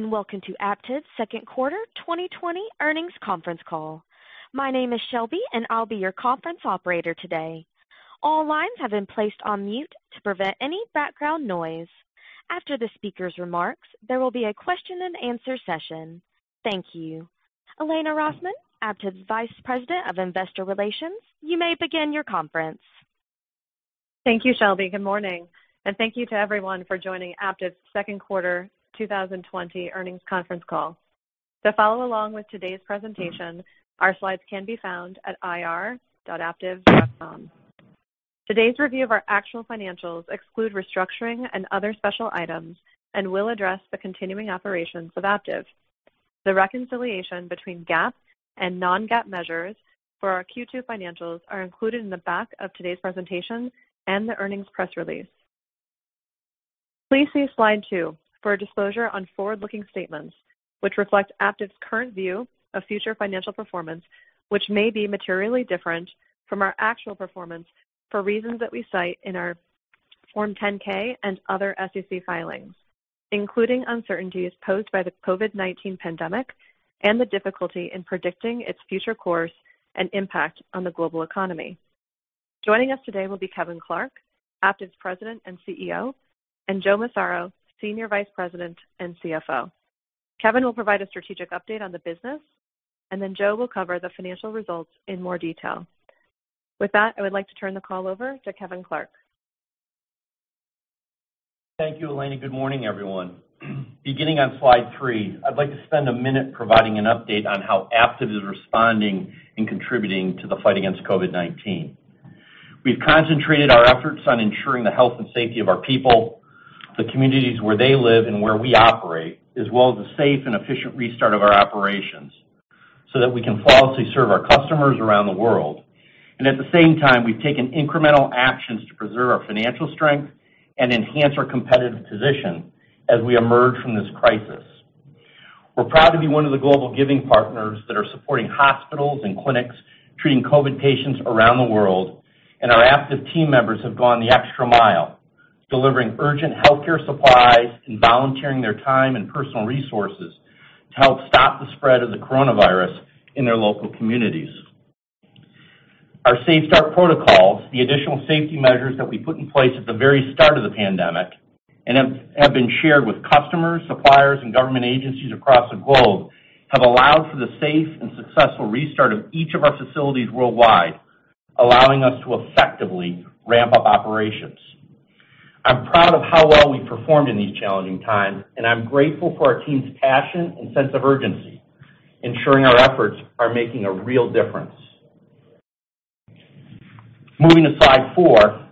Welcome to Aptiv's second quarter 2020 earnings conference call. My name is Shelby, and I'll be your conference operator today. All lines have been placed on mute to prevent any background noise. After the speaker's remarks, there will be a question-and-answer session. Thank you. Elena Rosman, Aptiv's Vice President of Investor Relations, you may begin your conference. Thank you, Shelby. Good morning, and thank you to everyone for joining Aptiv's second quarter 2020 earnings conference call. To follow along with today's presentation, our slides can be found at ir.aptiv.com. Today's review of our actual financials excludes restructuring and other special items and will address the continuing operations of Aptiv. The reconciliation between GAAP and non-GAAP measures for our Q2 financials are included in the back of today's presentation and the earnings press release. Please see slide two for a disclosure on forward-looking statements which reflect Aptiv's current view of future financial performance, which may be materially different from our actual performance for reasons that we cite in our Form 10-K and other SEC filings, including uncertainties posed by the COVID-19 pandemic and the difficulty in predicting its future course and impact on the global economy. Joining us today will be Kevin Clark, Aptiv's President and CEO, and Joe Massaro, Senior Vice President and CFO. Kevin will provide a strategic update on the business, and then Joe will cover the financial results in more detail. With that, I would like to turn the call over to Kevin Clark. Thank you, Elena. Good morning, everyone. Beginning on slide three, I'd like to spend a minute providing an update on how Aptiv is responding and contributing to the fight against COVID-19. We've concentrated our efforts on ensuring the health and safety of our people, the communities where they live and where we operate, as well as a safe and efficient restart of our operations so that we can fulfill our commitments to serve our customers around the world, and at the same time, we've taken incremental actions to preserve our financial strength and enhance our competitive position as we emerge from this crisis. We're proud to be one of the global giving partners that are supporting hospitals and clinics treating COVID patients around the world, and our Aptiv team members have gone the extra mile, delivering urgent healthcare supplies and volunteering their time and personal resources to help stop the spread of the coronavirus in their local communities. Our safe start protocols, the additional safety measures that we put in place at the very start of the pandemic, and have been shared with customers, suppliers, and government agencies across the globe, have allowed for the safe and successful restart of each of our facilities worldwide, allowing us to effectively ramp up operations. I'm proud of how well we performed in these challenging times, and I'm grateful for our team's passion and sense of urgency, ensuring our efforts are making a real difference. Moving to slide four,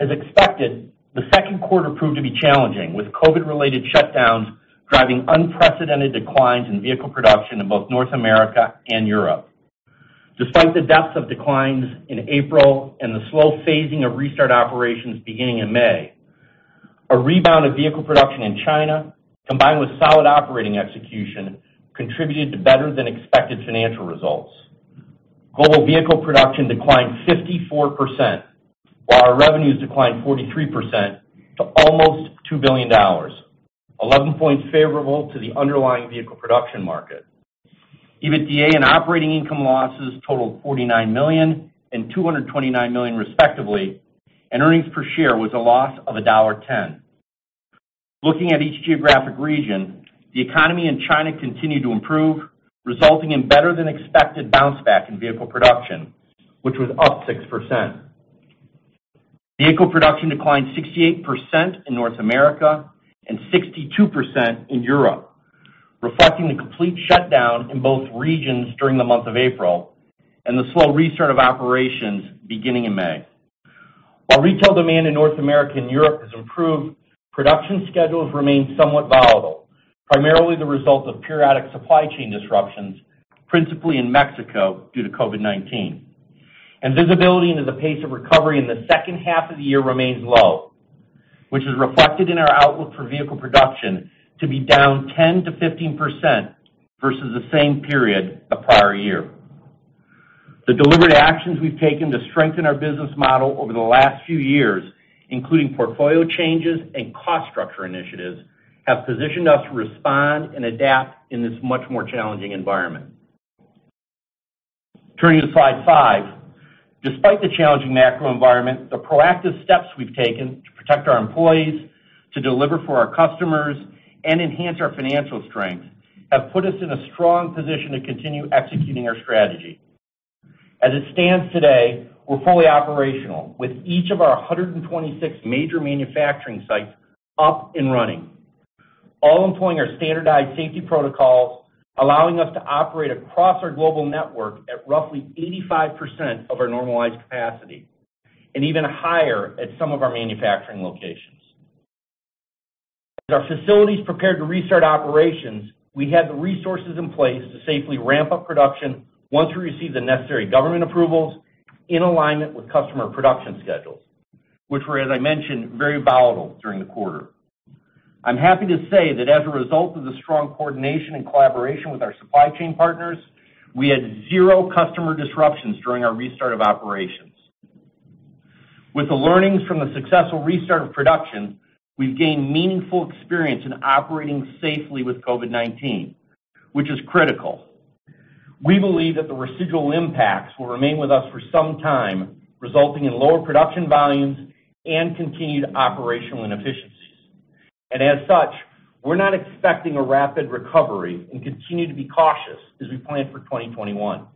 as expected, the second quarter proved to be challenging, with COVID-related shutdowns driving unprecedented declines in vehicle production in both North America and Europe. Despite the depths of declines in April and the slow phasing of restart operations beginning in May, a rebound of vehicle production in China, combined with solid operating execution, contributed to better-than-expected financial results. Global vehicle production declined 54%, while our revenues declined 43% to almost $2 billion, 11 points favorable to the underlying vehicle production market. EBITDA and operating income losses totaled $49 million and $229 million, respectively, and earnings per share was a loss of $1.10. Looking at each geographic region, the economy in China continued to improve, resulting in better-than-expected bounce back in vehicle production, which was up 6%. Vehicle production declined 68% in North America and 62% in Europe, reflecting the complete shutdown in both regions during the month of April and the slow restart of operations beginning in May. While retail demand in North America and Europe has improved, production schedules remain somewhat volatile, primarily the result of periodic supply chain disruptions, principally in Mexico due to COVID-19. Visibility into the pace of recovery in the second half of the year remains low, which is reflected in our outlook for vehicle production to be down 10%-15% versus the same period the prior year. The deliberate actions we've taken to strengthen our business model over the last few years, including portfolio changes and cost structure initiatives, have positioned us to respond and adapt in this much more challenging environment. Turning to slide five, despite the challenging macro environment, the proactive steps we've taken to protect our employees, to deliver for our customers, and enhance our financial strength have put us in a strong position to continue executing our strategy. As it stands today, we're fully operational with each of our 126 major manufacturing sites up and running, all employing our standardized safety protocols, allowing us to operate across our global network at roughly 85% of our normalized capacity and even higher at some of our manufacturing locations. As our facilities prepared to restart operations, we had the resources in place to safely ramp up production once we received the necessary government approvals in alignment with customer production schedules, which were, as I mentioned, very volatile during the quarter. I'm happy to say that as a result of the strong coordination and collaboration with our supply chain partners, we had zero customer disruptions during our restart of operations. With the learnings from the successful restart of production, we've gained meaningful experience in operating safely with COVID-19, which is critical. We believe that the residual impacts will remain with us for some time, resulting in lower production volumes and continued operational inefficiencies, and as such, we're not expecting a rapid recovery and continue to be cautious as we plan for 2021.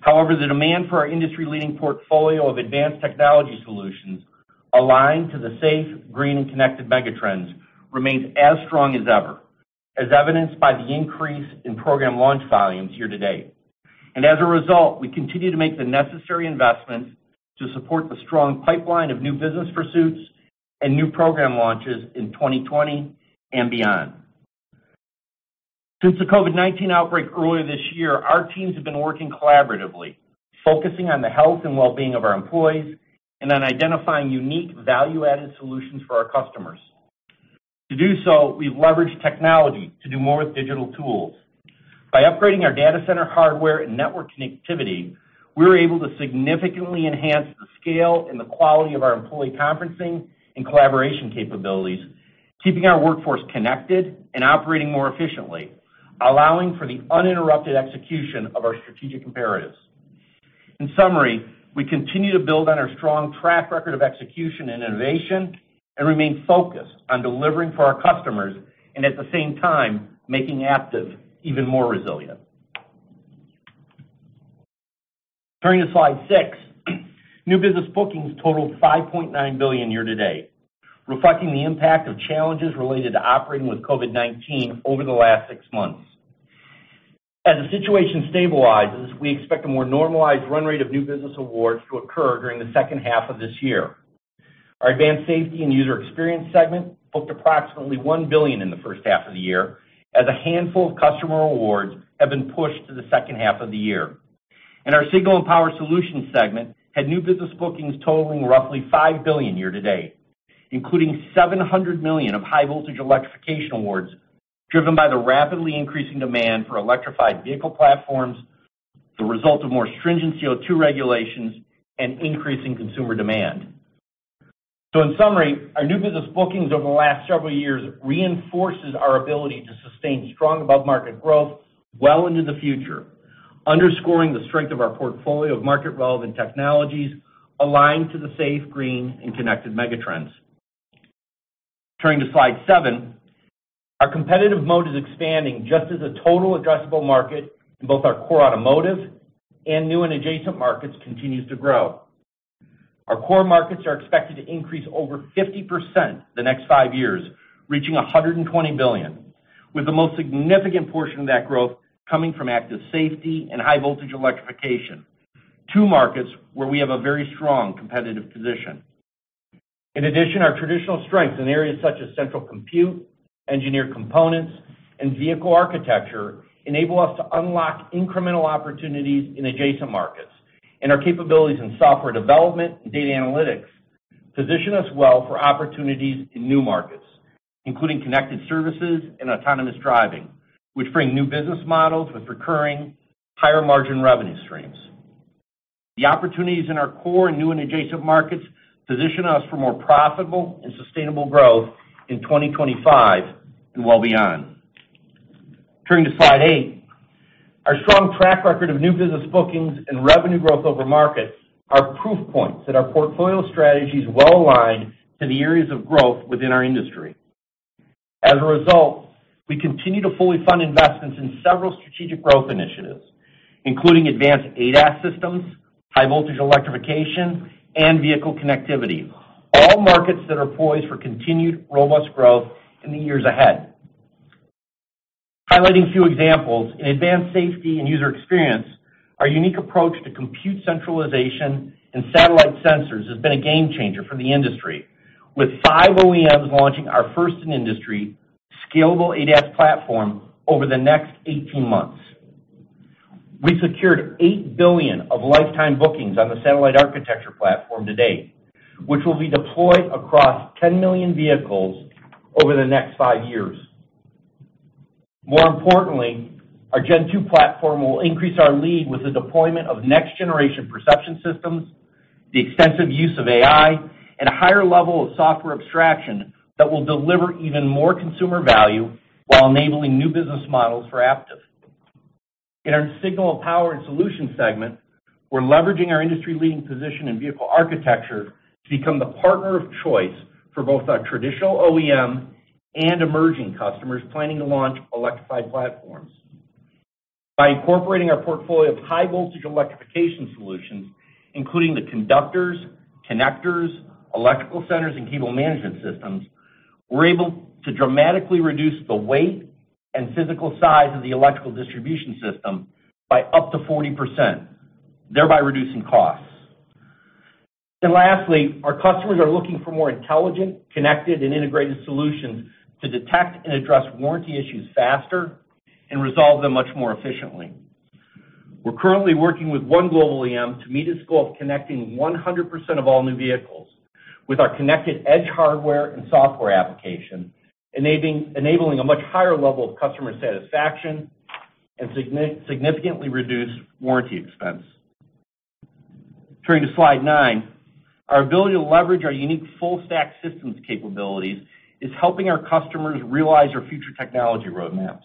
However, the demand for our industry-leading portfolio of advanced technology solutions aligned to the safe, green, and connected megatrends remains as strong as ever, as evidenced by the increase in program launch volumes year to date. As a result, we continue to make the necessary investments to support the strong pipeline of new business pursuits and new program launches in 2020 and beyond. Since the COVID-19 outbreak earlier this year, our teams have been working collaboratively, focusing on the health and well-being of our employees and on identifying unique value-added solutions for our customers. To do so, we've leveraged technology to do more with digital tools. By upgrading our data center hardware and network connectivity, we were able to significantly enhance the scale and the quality of our employee conferencing and collaboration capabilities, keeping our workforce connected and operating more efficiently, allowing for the uninterrupted execution of our strategic imperatives. In summary, we continue to build on our strong track record of execution and innovation and remain focused on delivering for our customers and, at the same time, making Aptiv even more resilient. Turning to slide six, new business bookings totaled $5.9 billion year to date, reflecting the impact of challenges related to operating with COVID-19 over the last six months. As the situation stabilizes, we expect a more normalized run rate of new business awards to occur during the second half of this year. Our advanced safety and user experience segment booked approximately $1 billion in the first half of the year, as a handful of customer awards have been pushed to the second half of the year, and our signal and power solutions segment had new business bookings totaling roughly $5 billion year to date, including $700 million of high-voltage electrification awards driven by the rapidly increasing demand for electrified vehicle platforms, the result of more stringent CO2 regulations, and increasing consumer demand. In summary, our new business bookings over the last several years reinforce our ability to sustain strong above-market growth well into the future, underscoring the strength of our portfolio of market-relevant technologies aligned to the safe, green, and connected megatrends. Turning to slide seven, our competitive moat is expanding just as a total addressable market in both our core automotive and new and adjacent markets continues to grow. Our core markets are expected to increase over 50% the next five years, reaching $120 billion, with the most significant portion of that growth coming from active safety and high-voltage electrification, two markets where we have a very strong competitive position. In addition, our traditional strengths in areas such as central compute, engineered components, and vehicle architecture enable us to unlock incremental opportunities in adjacent markets, and our capabilities in software development and data analytics position us well for opportunities in new markets, including connected services and autonomous driving, which bring new business models with recurring, higher-margin revenue streams. The opportunities in our core and new and adjacent markets position us for more profitable and sustainable growth in 2025 and well beyond. Turning to slide eight, our strong track record of new business bookings and revenue growth over markets are proof points that our portfolio strategy is well aligned to the areas of growth within our industry. As a result, we continue to fully fund investments in several strategic growth initiatives, including advanced ADAS systems, high-voltage electrification, and vehicle connectivity, all markets that are poised for continued robust growth in the years ahead. Highlighting a few examples, in advanced safety and user experience, our unique approach to compute centralization and satellite sensors has been a game changer for the industry, with five OEMs launching our first-in-industry scalable ADAS platform over the next 18 months. We secured $8 billion of lifetime bookings on the satellite architecture platform to date, which will be deployed across 10 million vehicles over the next five years. More importantly, our Gen2 platform will increase our lead with the deployment of next-generation perception systems, the extensive use of AI, and a higher level of software abstraction that will deliver even more consumer value while enabling new business models for Aptiv. In our Signal and Power Solutions segment, we're leveraging our industry-leading position in vehicle architecture to become the partner of choice for both our traditional OEM and emerging customers planning to launch electrified platforms. By incorporating our portfolio of high-voltage electrification solutions, including the conductors, connectors, electrical centers, and cable management systems, we're able to dramatically reduce the weight and physical size of the electrical distribution system by up to 40%, thereby reducing costs. Lastly, our customers are looking for more intelligent, connected, and integrated solutions to detect and address warranty issues faster and resolve them much more efficiently. We're currently working with one global OEM to meet its goal of connecting 100% of all new vehicles with our Connected Edge hardware and software application, enabling a much higher level of customer satisfaction and significantly reduced warranty expense. Turning to slide nine, our ability to leverage our unique full-stack systems capabilities is helping our customers realize our future technology roadmaps.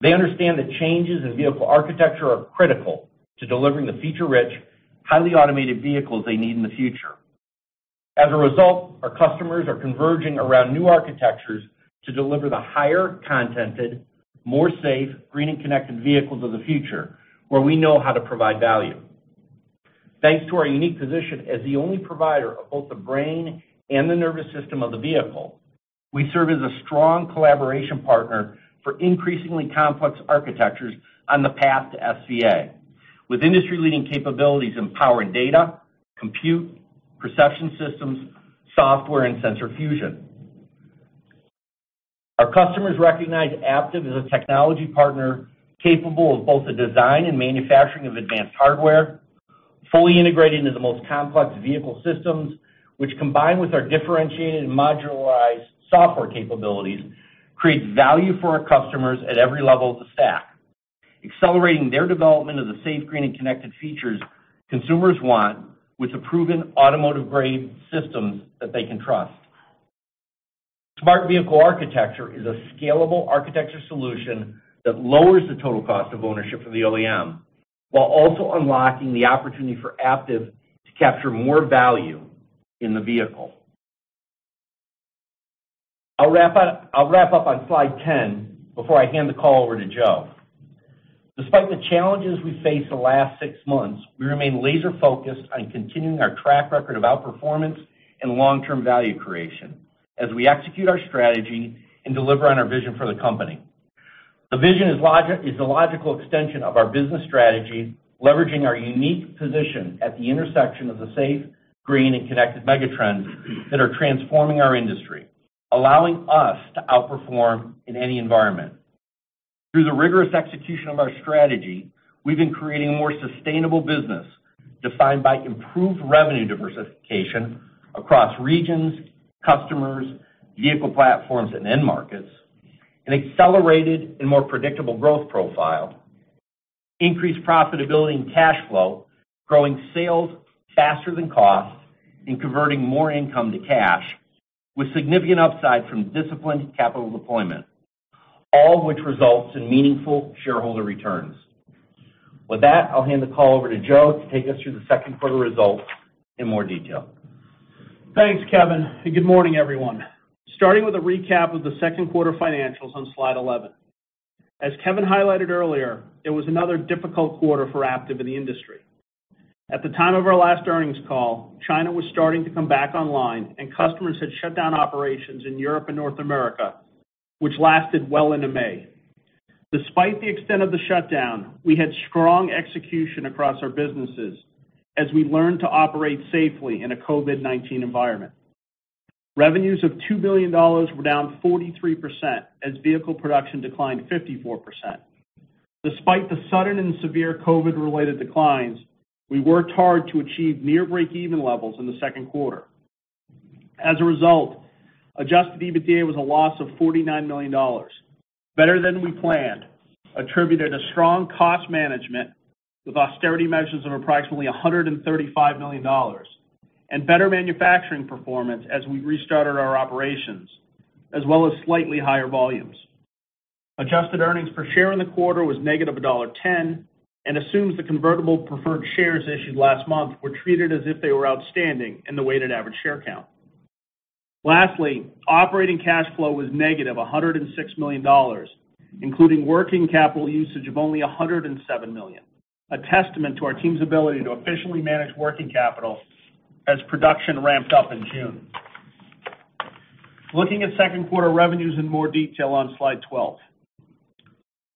They understand that changes in vehicle architecture are critical to delivering the feature-rich, highly automated vehicles they need in the future. As a result, our customers are converging around new architectures to deliver the higher-contented, more safe, green, and connected vehicles of the future, where we know how to provide value. Thanks to our unique position as the only provider of both the brain and the nervous system of the vehicle. We serve as a strong collaboration partner for increasingly complex architectures on the path to SVA, with industry-leading capabilities in power and data, compute, perception systems, software, and sensor fusion. Our customers recognize Aptiv as a technology partner capable of both the design and manufacturing of advanced hardware, fully integrated into the most complex vehicle systems, which, combined with our differentiated and modularized software capabilities, create value for our customers at every level of the stack, accelerating their development of the safe, green, and connected features consumers want with the proven automotive-grade systems that they can trust. Smart Vehicle Architecture is a scalable architecture solution that lowers the total cost of ownership for the OEM, while also unlocking the opportunity for Aptiv to capture more value in the vehicle. I'll wrap up on slide 10 before I hand the call over to Joe. Despite the challenges we faced the last six months, we remain laser-focused on continuing our track record of outperformance and long-term value creation as we execute our strategy and deliver on our vision for the company. The vision is a logical extension of our business strategy, leveraging our unique position at the intersection of the safe, green, and connected megatrends that are transforming our industry, allowing us to outperform in any environment. Through the rigorous execution of our strategy, we've been creating a more sustainable business defined by improved revenue diversification across regions, customers, vehicle platforms, and end markets, an accelerated and more predictable growth profile, increased profitability and cash flow, growing sales faster than cost, and converting more income to cash, with significant upside from disciplined capital deployment, all of which results in meaningful shareholder returns. With that, I'll hand the call over to Joe to take us through the second quarter results in more detail. Thanks, Kevin. Good morning, everyone. Starting with a recap of the second quarter financials on slide 11. As Kevin highlighted earlier, it was another difficult quarter for Aptiv in the industry. At the time of our last earnings call, China was starting to come back online, and customers had shut down operations in Europe and North America, which lasted well into May. Despite the extent of the shutdown, we had strong execution across our businesses as we learned to operate safely in a COVID-19 environment. Revenues of $2 billion were down 43% as vehicle production declined 54%. Despite the sudden and severe COVID-related declines, we worked hard to achieve near break-even levels in the second quarter. As a result, adjusted EBITDA was a loss of $49 million, better than we planned, attributed to strong cost management with austerity measures of approximately $135 million, and better manufacturing performance as we restarted our operations, as well as slightly higher volumes. Adjusted earnings per share in the quarter was -$1.10 and assumes the convertible preferred shares issued last month were treated as if they were outstanding in the weighted average share count. Lastly, operating cash flow was -$106 million, including working capital usage of only $107 million, a testament to our team's ability to efficiently manage working capital as production ramped up in June. Looking at second quarter revenues in more detail on slide 12,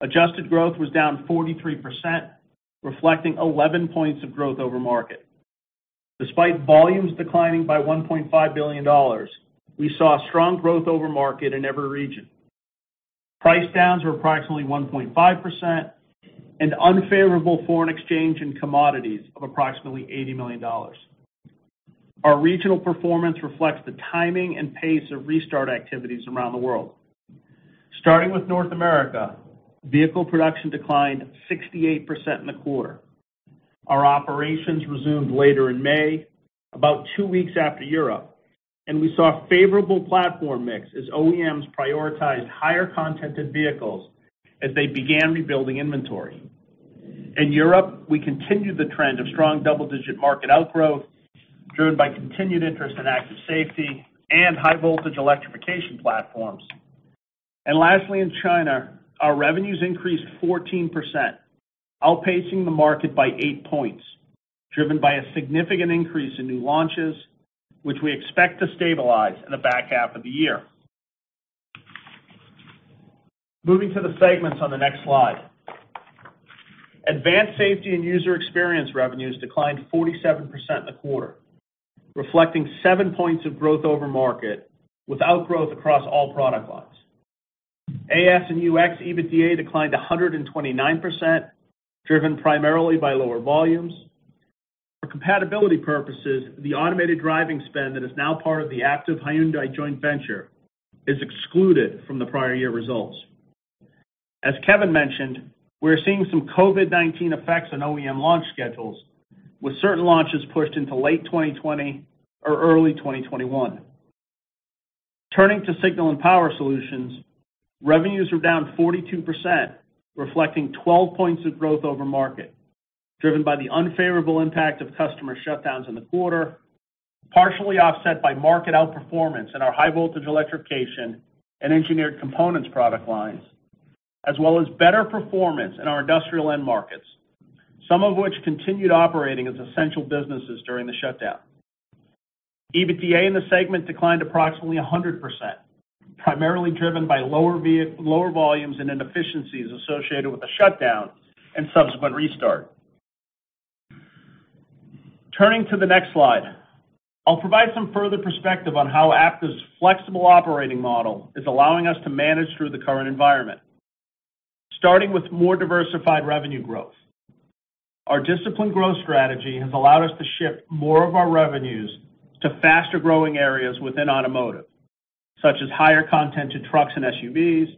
adjusted growth was down 43%, reflecting 11 points of growth over market. Despite volumes declining by $1.5 billion, we saw strong growth over market in every region. Price downs were approximately 1.5% and unfavorable foreign exchange and commodities of approximately $80 million. Our regional performance reflects the timing and pace of restart activities around the world. Starting with North America, vehicle production declined 68% in the quarter. Our operations resumed later in May, about two weeks after Europe, and we saw favorable platform mix as OEMs prioritized higher-contented vehicles as they began rebuilding inventory. In Europe, we continued the trend of strong double-digit market outgrowth driven by continued interest in active safety and high-voltage electrification platforms. Lastly, in China, our revenues increased 14%, outpacing the market by eight points, driven by a significant increase in new launches, which we expect to stabilize in the back half of the year. Moving to the segments on the next slide. Advanced Safety and User Experience revenues declined 47% in the quarter, reflecting seven points of growth over market with outgrowth across all product lines. AS and UX EBITDA declined 129%, driven primarily by lower volumes. For compatibility purposes, the automated driving spend that is now part of the Aptiv Hyundai joint venture is excluded from the prior year results. As Kevin mentioned, we're seeing some COVID-19 effects on OEM launch schedules, with certain launches pushed into late 2020 or early 2021. Turning to Signal and Power Solutions, revenues are down 42%, reflecting 12 points of growth over market, driven by the unfavorable impact of customer shutdowns in the quarter, partially offset by market outperformance in our high-voltage electrification and Engineered Components product lines, as well as better performance in our industrial end markets, some of which continued operating as essential businesses during the shutdown. EBITDA in the segment declined approximately 100%, primarily driven by lower volumes and inefficiencies associated with the shutdown and subsequent restart. Turning to the next slide, I'll provide some further perspective on how Aptiv's flexible operating model is allowing us to manage through the current environment, starting with more diversified revenue growth. Our disciplined growth strategy has allowed us to shift more of our revenues to faster-growing areas within automotive, such as higher-contented trucks and SUVs,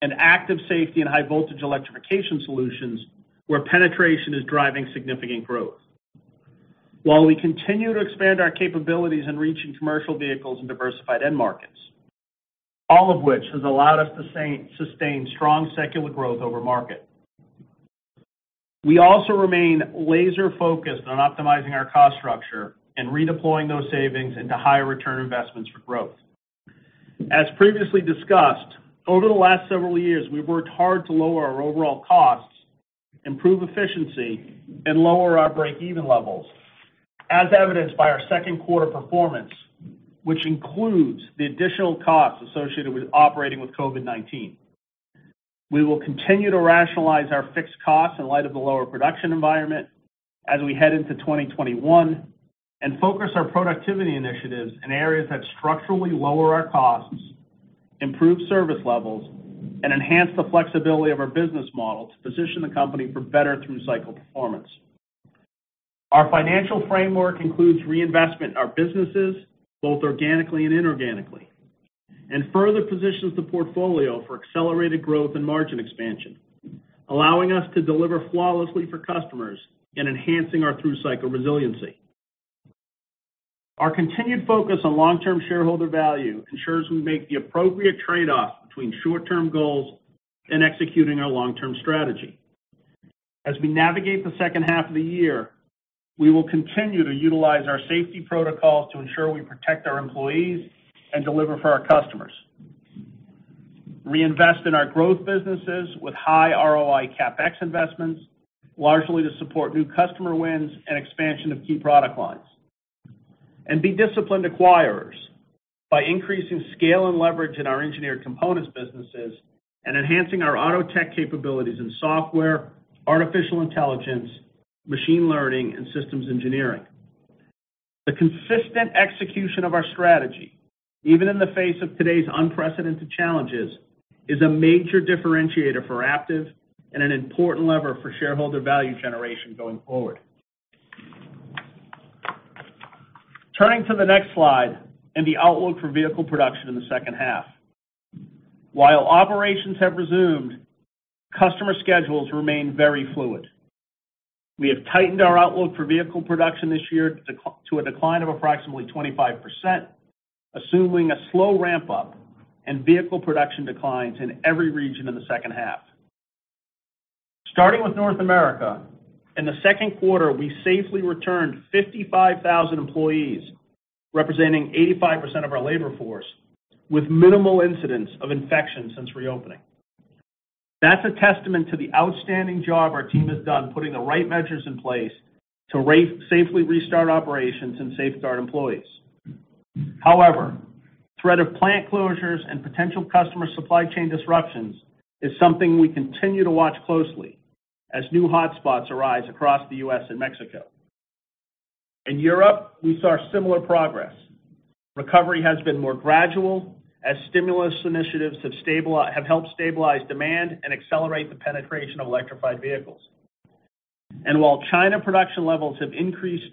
and active safety and high-voltage electrification solutions, where penetration is driving significant growth, while we continue to expand our capabilities in reaching commercial vehicles and diversified end markets, all of which has allowed us to sustain strong secular growth over market. We also remain laser-focused on optimizing our cost structure and redeploying those savings into higher-return investments for growth. As previously discussed, over the last several years, we've worked hard to lower our overall costs, improve efficiency, and lower our break-even levels, as evidenced by our second quarter performance, which includes the additional costs associated with operating with COVID-19. We will continue to rationalize our fixed costs in light of the lower production environment as we head into 2021 and focus our productivity initiatives in areas that structurally lower our costs, improve service levels, and enhance the flexibility of our business model to position the company for better through-cycle performance. Our financial framework includes reinvestment in our businesses, both organically and inorganically, and further positions the portfolio for accelerated growth and margin expansion, allowing us to deliver flawlessly for customers and enhancing our through-cycle resiliency. Our continued focus on long-term shareholder value ensures we make the appropriate trade-off between short-term goals and executing our long-term strategy. As we navigate the second half of the year, we will continue to utilize our safety protocols to ensure we protect our employees and deliver for our customers, reinvest in our growth businesses with high ROI CapEx investments, largely to support new customer wins and expansion of key product lines, and be disciplined acquirers by increasing scale and leverage in our engineered components businesses and enhancing our auto tech capabilities in software, artificial intelligence, machine learning, and systems engineering. The consistent execution of our strategy, even in the face of today's unprecedented challenges, is a major differentiator for Aptiv and an important lever for shareholder value generation going forward. Turning to the next slide and the outlook for vehicle production in the second half. While operations have resumed, customer schedules remain very fluid. We have tightened our outlook for vehicle production this year to a decline of approximately 25%, assuming a slow ramp-up and vehicle production declines in every region in the second half. Starting with North America, in the second quarter, we safely returned 55,000 employees, representing 85% of our labor force, with minimal incidence of infection since reopening. That's a testament to the outstanding job our team has done putting the right measures in place to safely restart operations and safeguard employees. However, the threat of plant closures and potential customer supply chain disruptions is something we continue to watch closely as new hotspots arise across the U.S. and Mexico. In Europe, we saw similar progress. Recovery has been more gradual as stimulus initiatives have helped stabilize demand and accelerate the penetration of electrified vehicles. While China production levels have increased,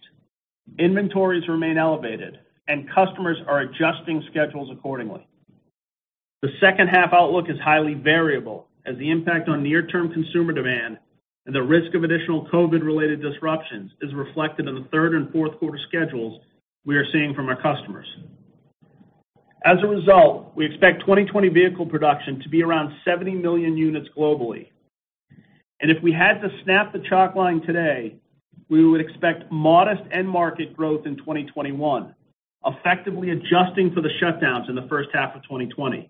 inventories remain elevated, and customers are adjusting schedules accordingly. The second half outlook is highly variable as the impact on near-term consumer demand and the risk of additional COVID-related disruptions is reflected in the third and fourth quarter schedules we are seeing from our customers. As a result, we expect 2020 vehicle production to be around 70 million units globally. If we had to snap the chalk line today, we would expect modest end market growth in 2021, effectively adjusting for the shutdowns in the first half of 2020,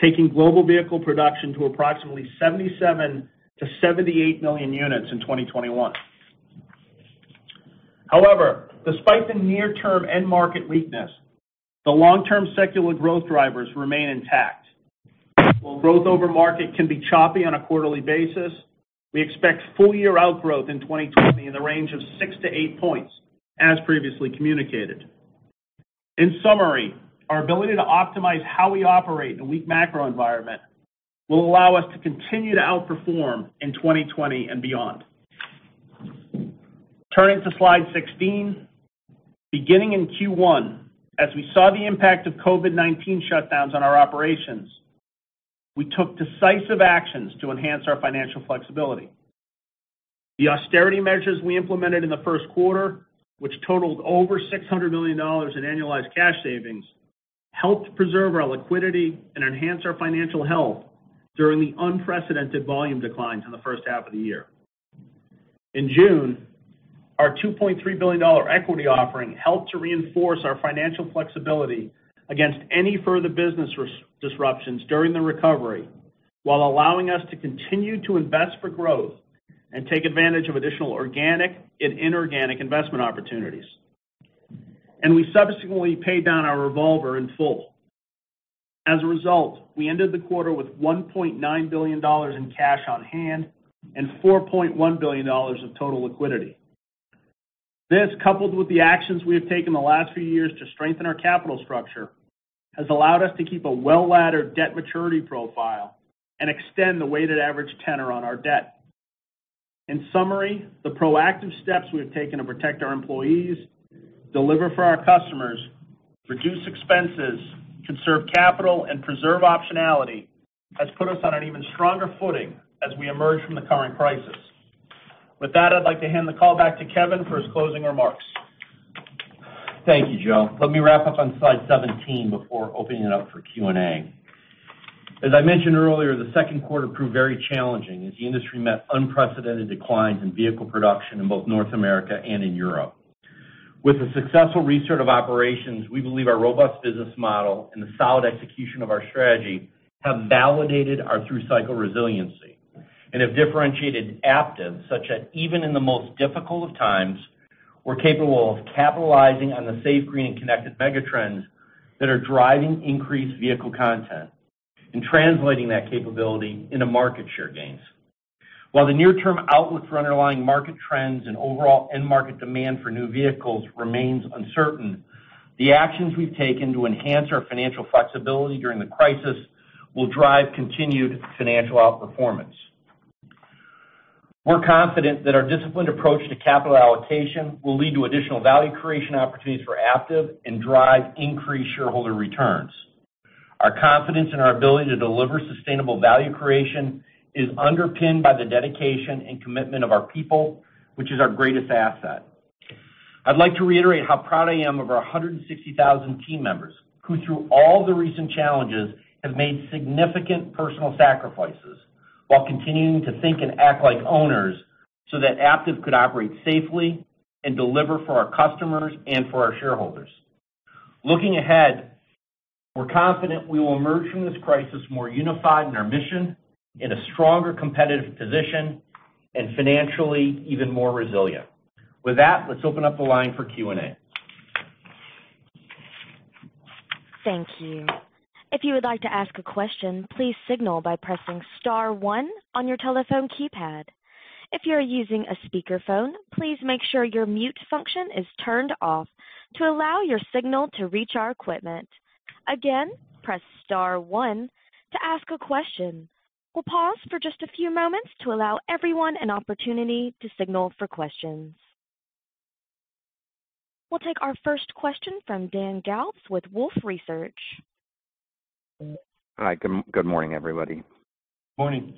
taking global vehicle production to approximately 77 million to 78 million units in 2021. However, despite the near-term end market weakness, the long-term secular growth drivers remain intact. While growth over market can be choppy on a quarterly basis, we expect full-year outgrowth in 2020 in the range of six to eight points, as previously communicated. In summary, our ability to optimize how we operate in a weak macro environment will allow us to continue to outperform in 2020 and beyond. Turning to slide 16, beginning in Q1, as we saw the impact of COVID-19 shutdowns on our operations, we took decisive actions to enhance our financial flexibility. The austerity measures we implemented in the first quarter, which totaled over $600 million in annualized cash savings, helped preserve our liquidity and enhance our financial health during the unprecedented volume declines in the first half of the year. In June, our $2.3 billion equity offering helped to reinforce our financial flexibility against any further business disruptions during the recovery, while allowing us to continue to invest for growth and take advantage of additional organic and inorganic investment opportunities. We subsequently paid down our revolver in full. As a result, we ended the quarter with $1.9 billion in cash on hand and $4.1 billion of total liquidity. This, coupled with the actions we have taken the last few years to strengthen our capital structure, has allowed us to keep a well-laddered debt maturity profile and extend the weighted average tenor on our debt. In summary, the proactive steps we have taken to protect our employees, deliver for our customers, reduce expenses, conserve capital, and preserve optionality has put us on an even stronger footing as we emerge from the current crisis. With that, I'd like to hand the call back to Kevin for his closing remarks. Thank you, Joe. Let me wrap up on slide 17 before opening it up for Q&A. As I mentioned earlier, the second quarter proved very challenging as the industry met unprecedented declines in vehicle production in both North America and in Europe. With the successful restart of operations, we believe our robust business model and the solid execution of our strategy have validated our through-cycle resiliency and have differentiated Aptiv such that even in the most difficult of times, we're capable of capitalizing on the safe, green, and connected megatrends that are driving increased vehicle content and translating that capability into market share gains. While the near-term outlook for underlying market trends and overall end market demand for new vehicles remains uncertain, the actions we've taken to enhance our financial flexibility during the crisis will drive continued financial outperformance. We're confident that our disciplined approach to capital allocation will lead to additional value creation opportunities for Aptiv and drive increased shareholder returns. Our confidence in our ability to deliver sustainable value creation is underpinned by the dedication and commitment of our people, which is our greatest asset. I'd like to reiterate how proud I am of our 160,000 team members who, through all the recent challenges, have made significant personal sacrifices while continuing to think and act like owners so that Aptiv could operate safely and deliver for our customers and for our shareholders. Looking ahead, we're confident we will emerge from this crisis more unified in our mission, in a stronger competitive position, and financially even more resilient. With that, let's open up the line for Q&A. Thank you. If you would like to ask a question, please signal by pressing Star 1 on your telephone keypad. If you're using a speakerphone, please make sure your mute function is turned off to allow your signal to reach our equipment. Again, press Star 1 to ask a question. We'll pause for just a few moments to allow everyone an opportunity to signal for questions. We'll take our first question from Dan Galves with Wolfe Research. Hi. Good morning, everybody. Morning.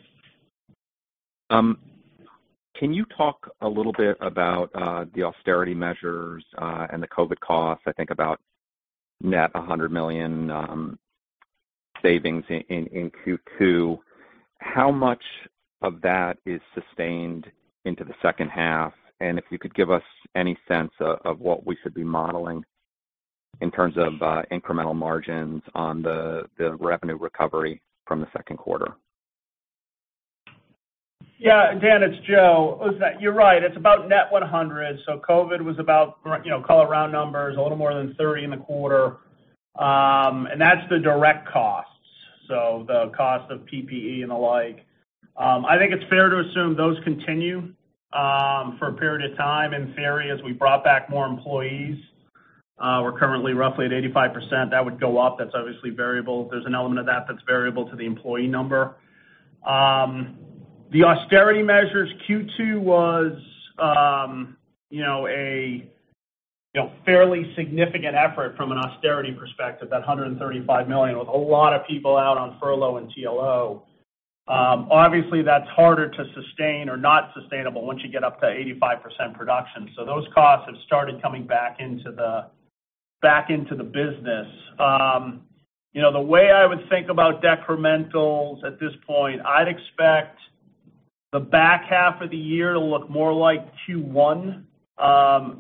Can you talk a little bit about the austerity measures and the COVID costs? I think about net $100 million savings in Q2. How much of that is sustained into the second half? If you could give us any sense of what we should be modeling in terms of incremental margins on the revenue recovery from the second quarter. Yeah. Dan, it's Joe. You're right. It's about net $100 million. So COVID was about call-around numbers, a little more than $30 million in the quarter. That's the direct costs, so the cost of PPE and the like. I think it's fair to assume those continue for a period of time. In theory, as we brought back more employees, we're currently roughly at 85%. That would go up. That's obviously variable. There's an element of that that's variable to the employee number. The austerity measures Q2 was a fairly significant effort from an austerity perspective, that $135 million, with a lot of people out on furlough and TLO. Obviously, that's harder to sustain or not sustainable once you get up to 85% production. So those costs have started coming back into the business. The way I would think about decrementals at this point, I'd expect the back half of the year to look more like Q1,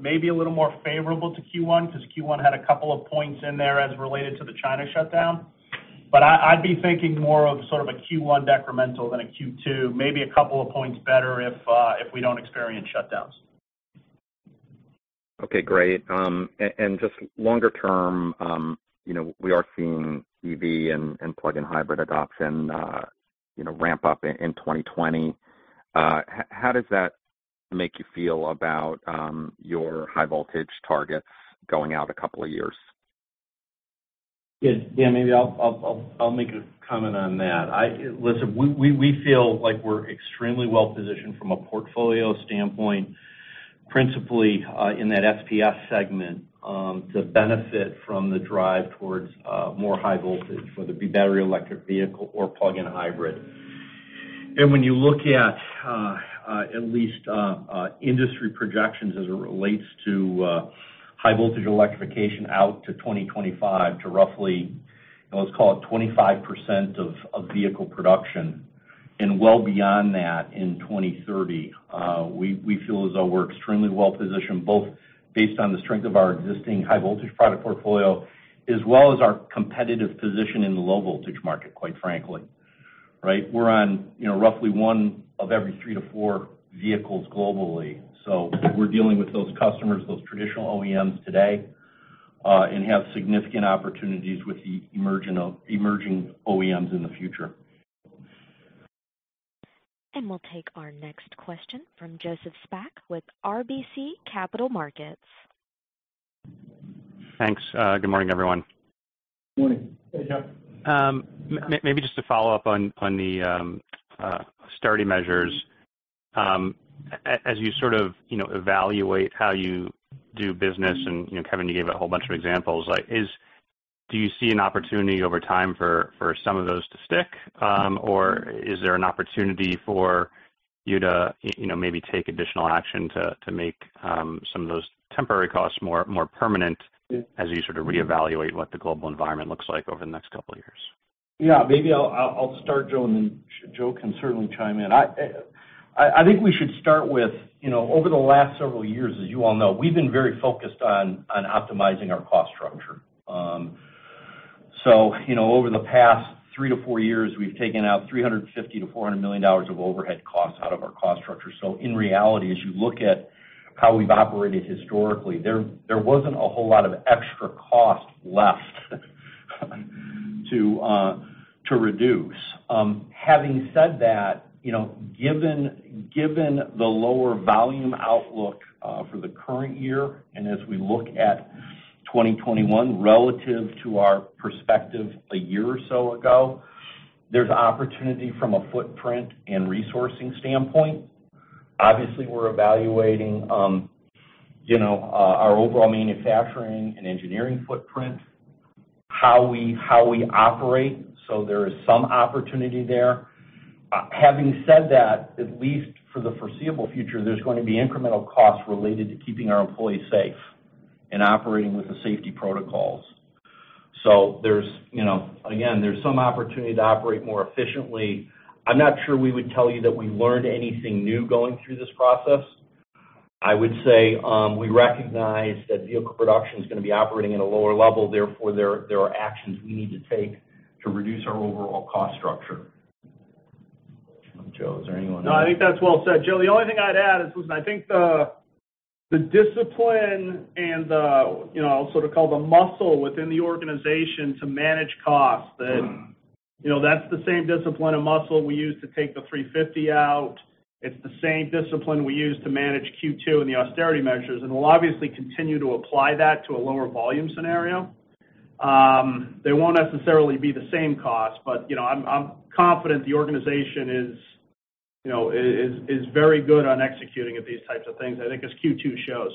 maybe a little more favorable to Q1 because Q1 had a couple of points in there as related to the China shutdown. But I'd be thinking more of sort of a Q1 decremental than a Q2, maybe a couple of points better if we don't experience shutdowns. Okay. Great. Just longer term, we are seeing EV and plug-in hybrid adoption ramp up in 2020. How does that make you feel about your high-voltage targets going out a couple of years? Yeah. Maybe I'll make a comment on that. Listen, we feel like we're extremely well-positioned from a portfolio standpoint, principally in that SPS segment, to benefit from the drive towards more high-voltage, whether it be battery electric vehicle or plug-in hybrid. When you look at least industry projections as it relates to high-voltage electrification out to 2025 to roughly, let's call it 25% of vehicle production and well beyond that in 2030, we feel as though we're extremely well-positioned, both based on the strength of our existing high-voltage product portfolio as well as our competitive position in the low-voltage market, quite frankly, right? We're on roughly one of every three-to-four vehicles globally. So we're dealing with those customers, those traditional OEMs today, and have significant opportunities with the emerging OEMs in the future. We'll take our next question from Joseph Spack with RBC Capital Markets. Thanks. Good morning, everyone. Good morning, Joseph. Maybe just to follow up on the austerity measures, as you sort of evaluate how you do business, and Kevin, you gave a whole bunch of examples, do you see an opportunity over time for some of those to stick, or is there an opportunity for you to maybe take additional action to make some of those temporary costs more permanent as you sort of reevaluate what the global environment looks like over the next couple of years? Yeah. Maybe I'll start, Joe, and then Joe can certainly chime in. I think we should start with, over the last several years, as you all know, we've been very focused on optimizing our cost structure. Over the past three to four years, we've taken out $350 million-$400 million of overhead costs out of our cost structure. In reality, as you look at how we've operated historically, there wasn't a whole lot of extra cost left to reduce. Having said that, given the lower volume outlook for the current year and as we look at 2021 relative to our perspective a year or so ago, there's opportunity from a footprint and resourcing standpoint. Obviously, we're evaluating our overall manufacturing and engineering footprint, how we operate. There is some opportunity there. Having said that, at least for the foreseeable future, there's going to be incremental costs related to keeping our employees safe and operating with the safety protocols. Again, there's some opportunity to operate more efficiently. I'm not sure we would tell you that we learned anything new going through this process. I would say we recognize that vehicle production is going to be operating at a lower level. Therefore, there are actions we need to take to reduce our overall cost structure. Joe, is there anything else? No, I think that's well said. Joe, the only thing I'd add is, I think the discipline and I'll sort of call the muscle within the organization to manage costs, that that's the same discipline and muscle we use to take the 350 out. It's the same discipline we use to manage Q2 and the austerity measures. And we'll obviously continue to apply that to a lower volume scenario. They won't necessarily be the same cost, but I'm confident the organization is very good on executing at these types of things, I think, as Q2 shows.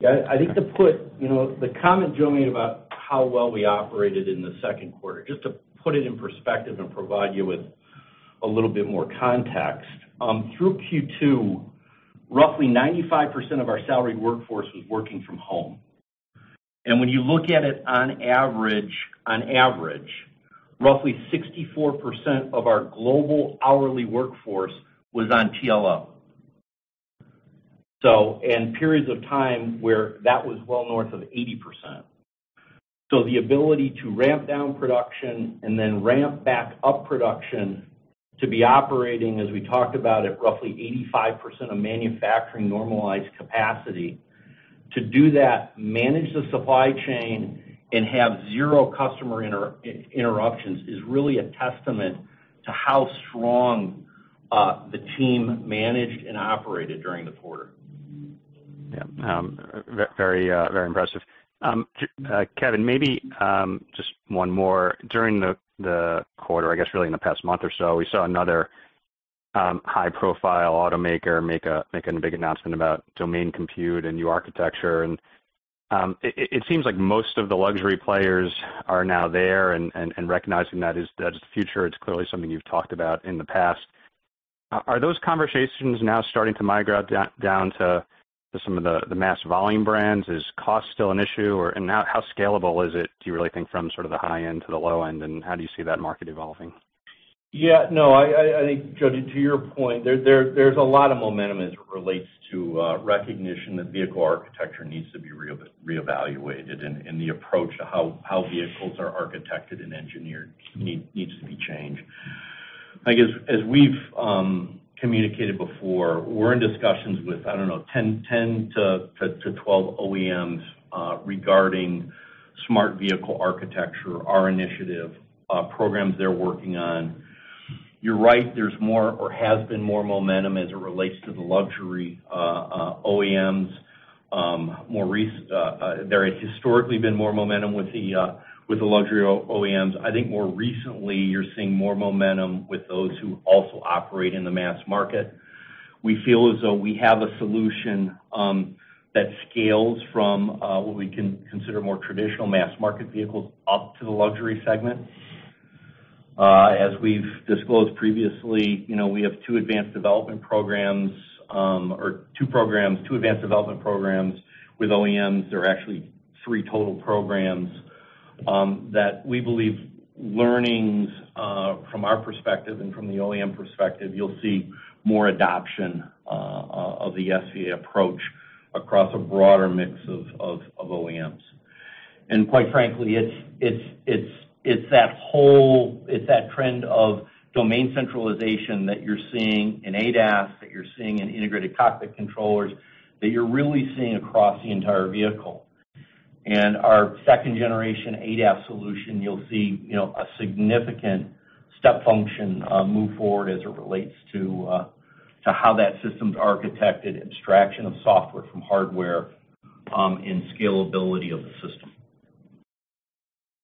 Yeah. I think, to put the comment Joe made about how well we operated in the second quarter, just to put it in perspective and provide you with a little bit more context, through Q2, roughly 95% of our salaried workforce was working from home. When you look at it on average, roughly 64% of our global hourly workforce was on TLO and periods of time where that was well north of 80%. The ability to ramp down production and then ramp back up production to be operating, as we talked about, at roughly 85% of manufacturing normalized capacity. To do that, manage the supply chain, and have zero customer interruptions is really a testament to how strong the team managed and operated during the quarter. Yeah. Very impressive. Kevin, maybe just one more. During the quarter, I guess really in the past month or so, we saw another high-profile automaker make a big announcement about domain compute and new architecture, and it seems like most of the luxury players are now there, and recognizing that is the future. It's clearly something you've talked about in the past. Are those conversations now starting to migrate down to some of the mass volume brands? Is cost still an issue? And how scalable is it, do you really think, from sort of the high end to the low end, and how do you see that market evolving? Yeah. No. Judging to your point, there's a lot of momentum as it relates to recognition that vehicle architecture needs to be reevaluated and the approach to how vehicles are architected and engineered needs to be changed. I guess as we've communicated before, we're in discussions with, I don't know, 10 to 12 OEMs regarding Smart Vehicle Architecture, our initiative programs they're working on. You're right. There's more or has been more momentum as it relates to the luxury OEMs. There had historically been more momentum with the luxury OEMs. I think more recently, you're seeing more momentum with those who also operate in the mass market. We feel as though we have a solution that scales from what we can consider more traditional mass market vehicles up to the luxury segment. As we've disclosed previously, we have two advanced development programs or two programs, two advanced development programs with OEMs. There are actually three total programs that we believe, learnings from our perspective and from the OEM perspective, you'll see more adoption of the SVA approach across a broader mix of OEMs. Quite frankly, it's that trend of domain centralization that you're seeing in ADAS, that you're seeing in integrated cockpit controllers, that you're really seeing across the entire vehicle. Our second-generation ADAS solution, you'll see a significant step function move forward as it relates to how that system's architected, abstraction of software from hardware, and scalability of the system.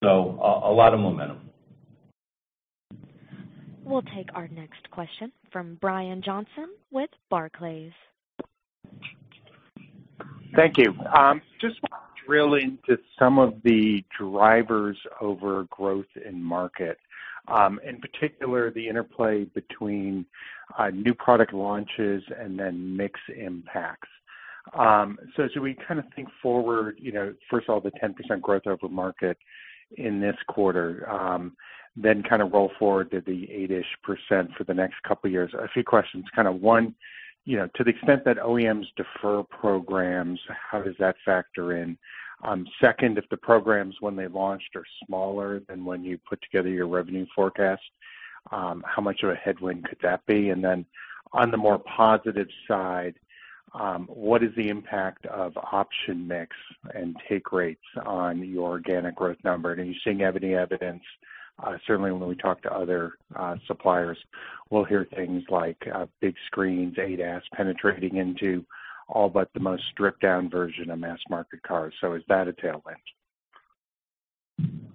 A lot of momentum. We'll take our next question from Brian Johnson with Barclays. Thank you. I just want to drill into some of the drivers of growth in the market, in particular, the interplay between new product launches and then mix impacts. As we kind of think forward, first of all, the 10% growth over market in this quarter, then kind of roll forward to the 8-ish% for the next couple of years. A few questions. Kind of one, to the extent that OEMs defer programs, how does that factor in? Second, if the programs, when they launched, are smaller than when you put together your revenue forecast, how much of a headwind could that be? Then on the more positive side, what is the impact of option mix and take rates on your organic growth number? Are you seeing any evidence? Certainly, when we talk to other suppliers, we'll hear things like big screens, ADAS penetrating into all but the most stripped-down version of mass market cars. So is that a tailwind?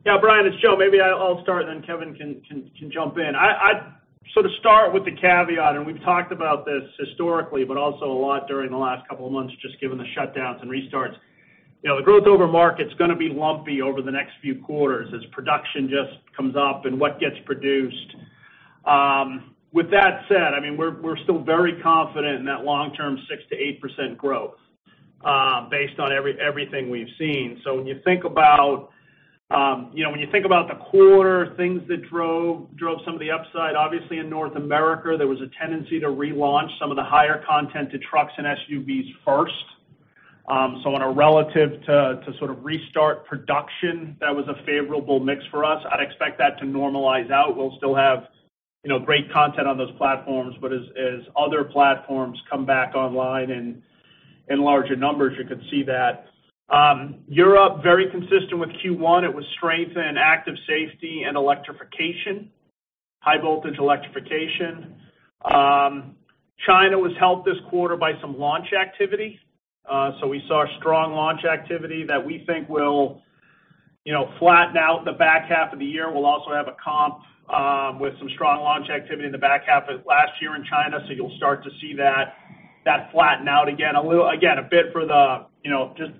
Yeah. Brian, it's Joe. Maybe I'll start and Kevin can jump in. I'd sort of start with the caveat. We've talked about this historically, but also a lot during the last couple of months, just given the shutdowns and restarts. The growth over market's going to be lumpy over the next few quarters as production just comes up and what gets produced. With that said, I mean, we're still very confident in that long-term 6%-8% growth based on everything we've seen. When you think about the quarter, things that drove some of the upside, obviously in North America, there was a tendency to relaunch some of the higher content to trucks and SUVs first. On a relative to sort of restart production, that was a favorable mix for us. I'd expect that to normalize out. We'll still have great content on those platforms, but as other platforms come back online in larger numbers, you could see that. Europe, very consistent with Q1. It was strength in active safety and electrification, high-voltage electrification. China was helped this quarter by some launch activity. We saw strong launch activity that we think will flatten out the back half of the year. We'll also have a comp with some strong launch activity in the back half of last year in China. You'll start to see that flatten out again, a bit for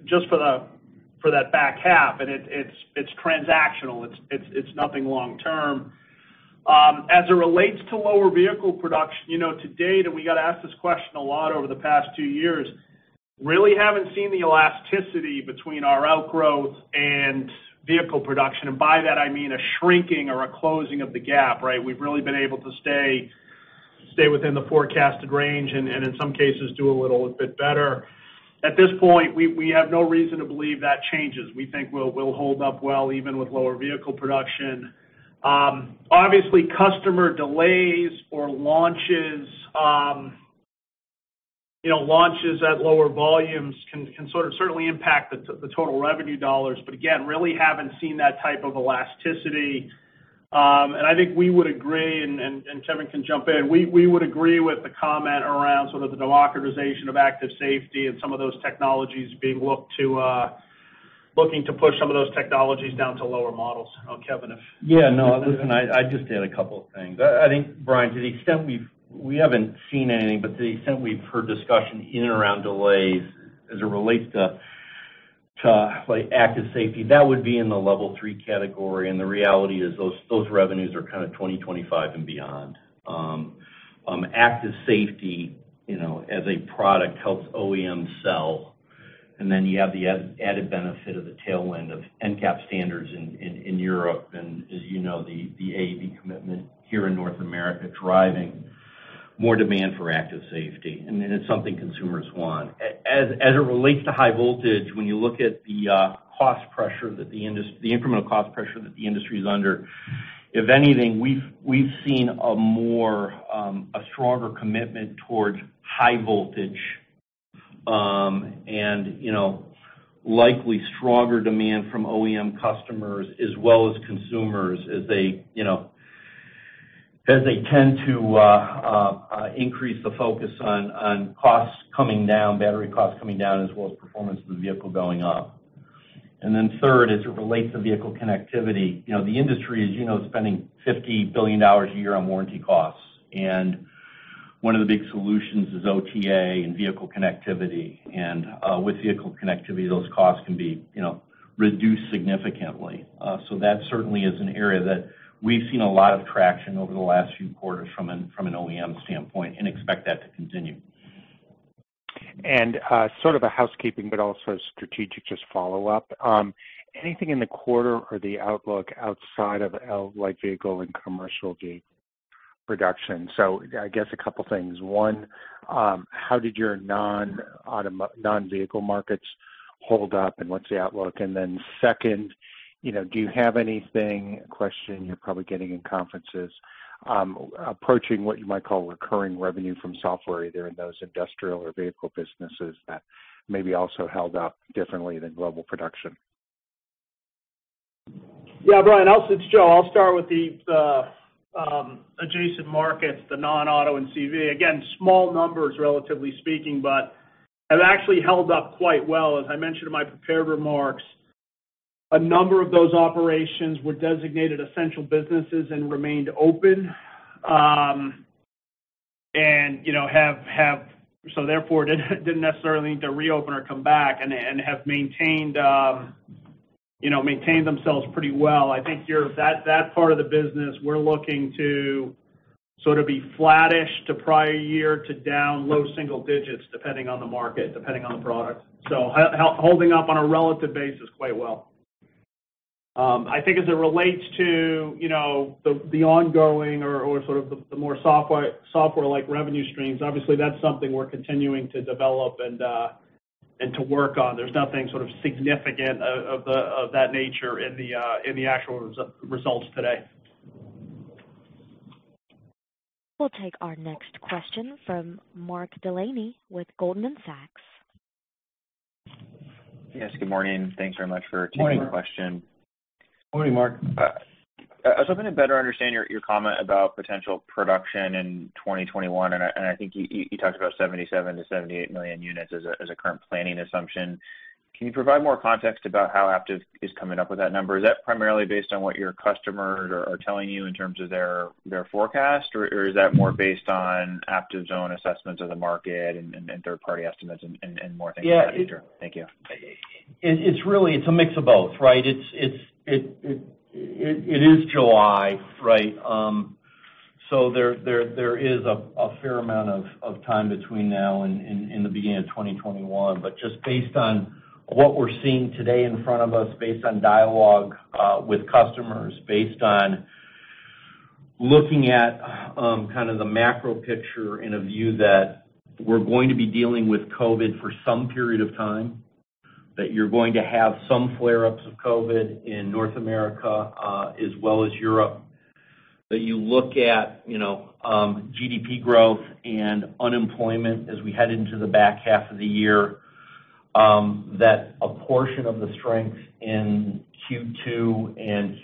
just for that back half. It's transactional. It's nothing long-term. As it relates to lower vehicle production to date, and we got asked this question a lot over the past two years, really haven't seen the elasticity between our outgrowth and vehicle production. By that, I mean a shrinking or a closing of the gap, right? We've really been able to stay within the forecasted range and in some cases do a little bit better. At this point, we have no reason to believe that changes. We think we'll hold up well even with lower vehicle production. Obviously, customer delays or launches at lower volumes can sort of certainly impact the total revenue dollars. But again, really haven't seen that type of elasticity. I think we would agree, and Kevin can jump in. We would agree with the comment around sort of the democratization of active safety and some of those technologies being looked to push some of those technologies down to lower models. Kevin, if— Yeah. No, listen, I just had a couple of things. I think, Brian, to the extent we haven't seen anything, but to the extent we've heard discussion in and around delays as it relates to active safety, that would be in the level three category. The reality is those revenues are kind of 2025 and beyond. Active safety as a product helps OEMs sell. Then you have the added benefit of the tailwind of NCAP standards in Europe. As you know, the AEB commitment here in North America driving more demand for active safety. It's something consumers want. As it relates to high voltage, when you look at the cost pressure that the incremental cost pressure that the industry is under, if anything, we've seen a stronger commitment towards high voltage and likely stronger demand from OEM customers as well as consumers as they tend to increase the focus on costs coming down, battery costs coming down, as well as performance of the vehicle going up. Third, as it relates to vehicle connectivity, the industry is spending $50 billion a year on warranty costs. One of the big solutions is OTA and vehicle connectivity. With vehicle connectivity, those costs can be reduced significantly. That certainly is an area that we've seen a lot of traction over the last few quarters from an OEM standpoint and expect that to continue. Sort of a housekeeping, but also strategic just follow-up. Anything in the quarter or the outlook outside of vehicle and commercial vehicle production? So I guess a couple of things. One, how did your non-vehicle markets hold up and what's the outlook? And then second, do you have anything (a question you're probably getting in conferences) approaching what you might call recurring revenue from software, either in those industrial or vehicle businesses that maybe also held up differently than global production? Yeah. Brian, it's Joe. I'll start with the adjacent markets, the non-auto and CV. Again, small numbers, relatively speaking, but have actually held up quite well. As I mentioned in my prepared remarks, a number of those operations were designated essential businesses and remained open and have, so therefore, didn't necessarily need to reopen or come back and have maintained themselves pretty well. I think that part of the business, we're looking to sort of be flattish to prior year to down low single digits, depending on the market, depending on the product. So holding up on a relative basis quite well. I think as it relates to the ongoing or sort of the more software-like revenue streams, obviously, that's something we're continuing to develop and to work on. There's nothing sort of significant of that nature in the actual results today. We'll take our next question from Mark Delaney with Goldman Sachs. Yes. Good morning. Thanks very much for taking the question. Good morning. Good morning, Mark. I was hoping to better understand your comment about potential production in 2021, and I think you talked about 77-78 million units as a current planning assumption. Can you provide more context about how Aptiv is coming up with that number? Is that primarily based on what your customers are telling you in terms of their forecast, or is that more based on Aptiv's own assessments of the market and third-party estimates and more things of that nature? Thank you. It's a mix of both, right? It is July, right? So there is a fair amount of time between now and the beginning of 2021. But just based on what we're seeing today in front of us, based on dialogue with customers, based on looking at kind of the macro picture in a view that we're going to be dealing with COVID for some period of time, that you're going to have some flare-ups of COVID in North America as well as Europe, that you look at GDP growth and unemployment as we head into the back half of the year, that a portion of the strength in Q2 and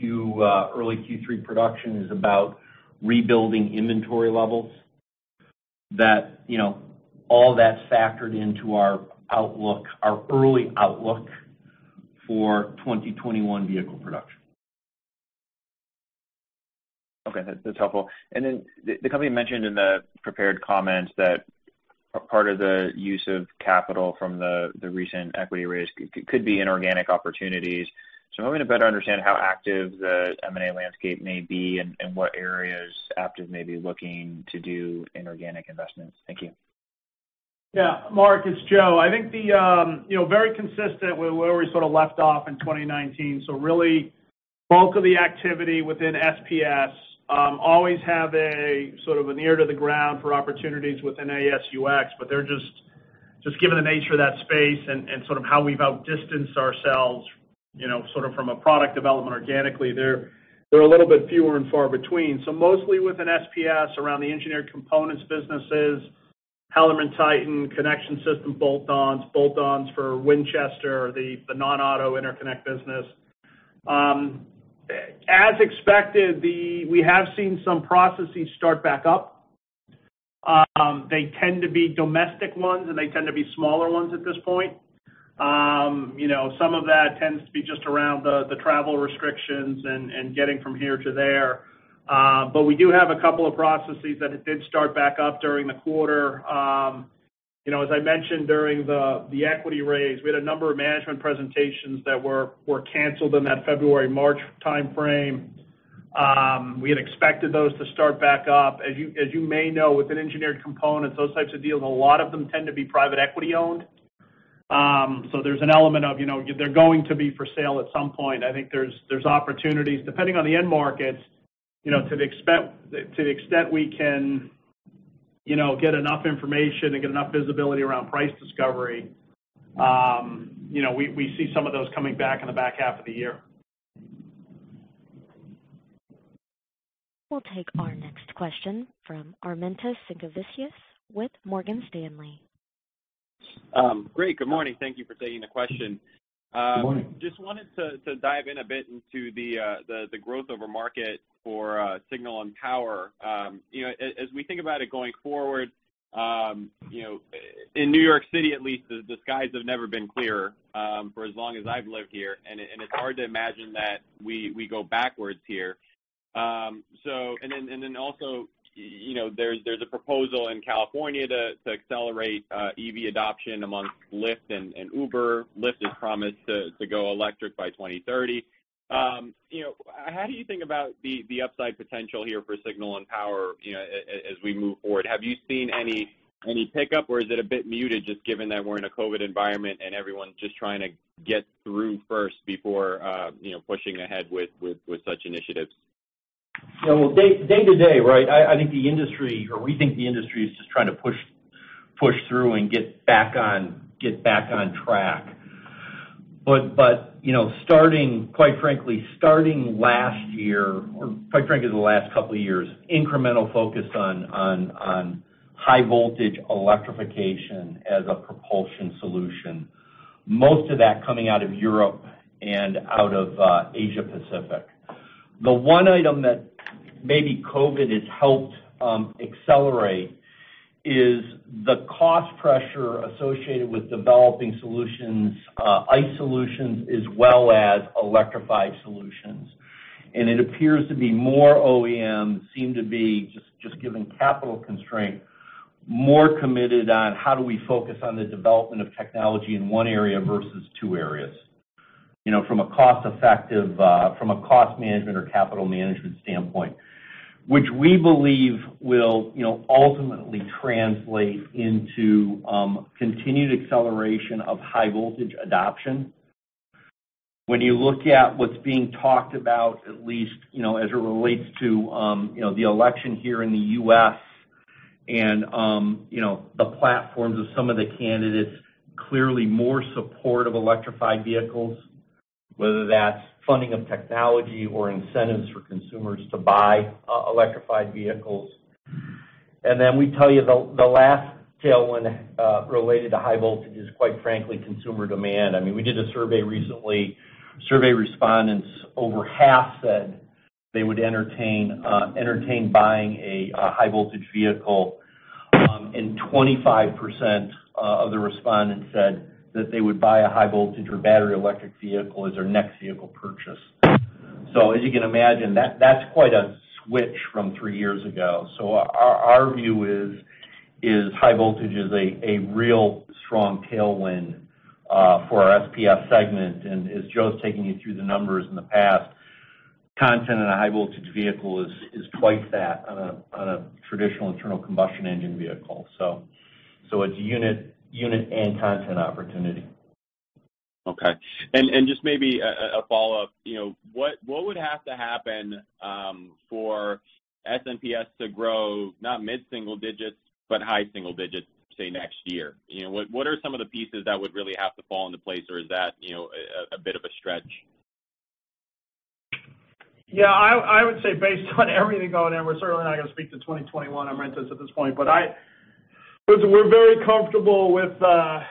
early Q3 production is about rebuilding inventory levels, that all that's factored into our early outlook for 2021 vehicle production. Okay. That's helpful. The company mentioned in the prepared comment that part of the use of capital from the recent equity raise could be inorganic opportunities. I'm hoping to better understand how active the M&A landscape may be and what areas Aptiv may be looking to do inorganic investments. Thank you. Yeah. Mark, it's Joe. I think very consistent with where we sort of left off in 2019. So really, bulk of the activity within SPS always have a sort of an ear to the ground for opportunities within ASUX, but just given the nature of that space and sort of how we've outdistanced ourselves sort of from a product development organically, they're a little bit fewer and far between. Mostly within SPS around the engineered components businesses, HellermannTyton, connection system bolt-ons for Winchester, the non-auto interconnect business. As expected, we have seen some processes start back up. They tend to be domestic ones, and they tend to be smaller ones at this point. Some of that tends to be just around the travel restrictions and getting from here to there. But we do have a couple of processes that did start back up during the quarter. As I mentioned, during the equity raise, we had a number of management presentations that were canceled in that February/March timeframe. We had expected those to start back up. As you may know, within engineered components, those types of deals, a lot of them tend to be private equity-owned. So there's an element of they're going to be for sale at some point. I think there's opportunities, depending on the end markets, to the extent we can get enough information and get enough visibility around price discovery. We see some of those coming back in the back half of the year. We'll take our next question from Armintas Sinkevicius with Morgan Stanley. Great. Good morning. Thank you for taking the question. Good morning. Just wanted to dive in a bit into the growth of a market for signal and power. As we think about it going forward, in New York City, at least, the skies have never been clearer for as long as I've lived here, and it's hard to imagine that we go backwards here, and then also, there's a proposal in California to accelerate EV adoption amongst Lyft and Uber. Lyft has promised to go electric by 2030. How do you think about the upside potential here for signal and power as we move forward? Have you seen any pickup, or is it a bit muted just given that we're in a COVID environment and everyone's just trying to get through first before pushing ahead with such initiatives? Day to day, right? I think the industry, or we think the industry is just trying to push through and get back on track. But quite frankly, starting last year, or quite frankly, the last couple of years, incremental focus on high-voltage electrification as a propulsion solution, most of that coming out of Europe and out of Asia-Pacific. The one item that maybe COVID has helped accelerate is the cost pressure associated with developing ICE solutions as well as electrified solutions. It appears to be more OEMs seem to be, just given capital constraints, more committed on how do we focus on the development of technology in one area versus two areas from a cost-effective, from a cost management or capital management standpoint, which we believe will ultimately translate into continued acceleration of high-voltage adoption. When you look at what's being talked about, at least as it relates to the election here in the U.S. and the platforms of some of the candidates, clearly more support of electrified vehicles, whether that's funding of technology or incentives for consumers to buy electrified vehicles, and then we tell you the last tailwind related to high voltage is, quite frankly, consumer demand. I mean, we did a survey recently. Survey respondents, over half said they would entertain buying a high-voltage vehicle, and 25% of the respondents said that they would buy a high-voltage or battery electric vehicle as their next vehicle purchase. As you can imagine, that's quite a switch from three years ago, so our view is high voltage is a real strong tailwind for our SPS segment. As Joe's taken you through the numbers in the past, content in a high-voltage vehicle is twice that on a traditional internal combustion engine vehicle. So it's unit and content opportunity. Okay. And just maybe a follow-up. What would have to happen for SPS to grow not mid-single digits, but high single digits, say, next year? What are some of the pieces that would really have to fall into place, or is that a bit of a stretch? Yeah. I would say based on everything going on, we're certainly not going to speak to 2021, Armintas, at this point. But we're very comfortable with the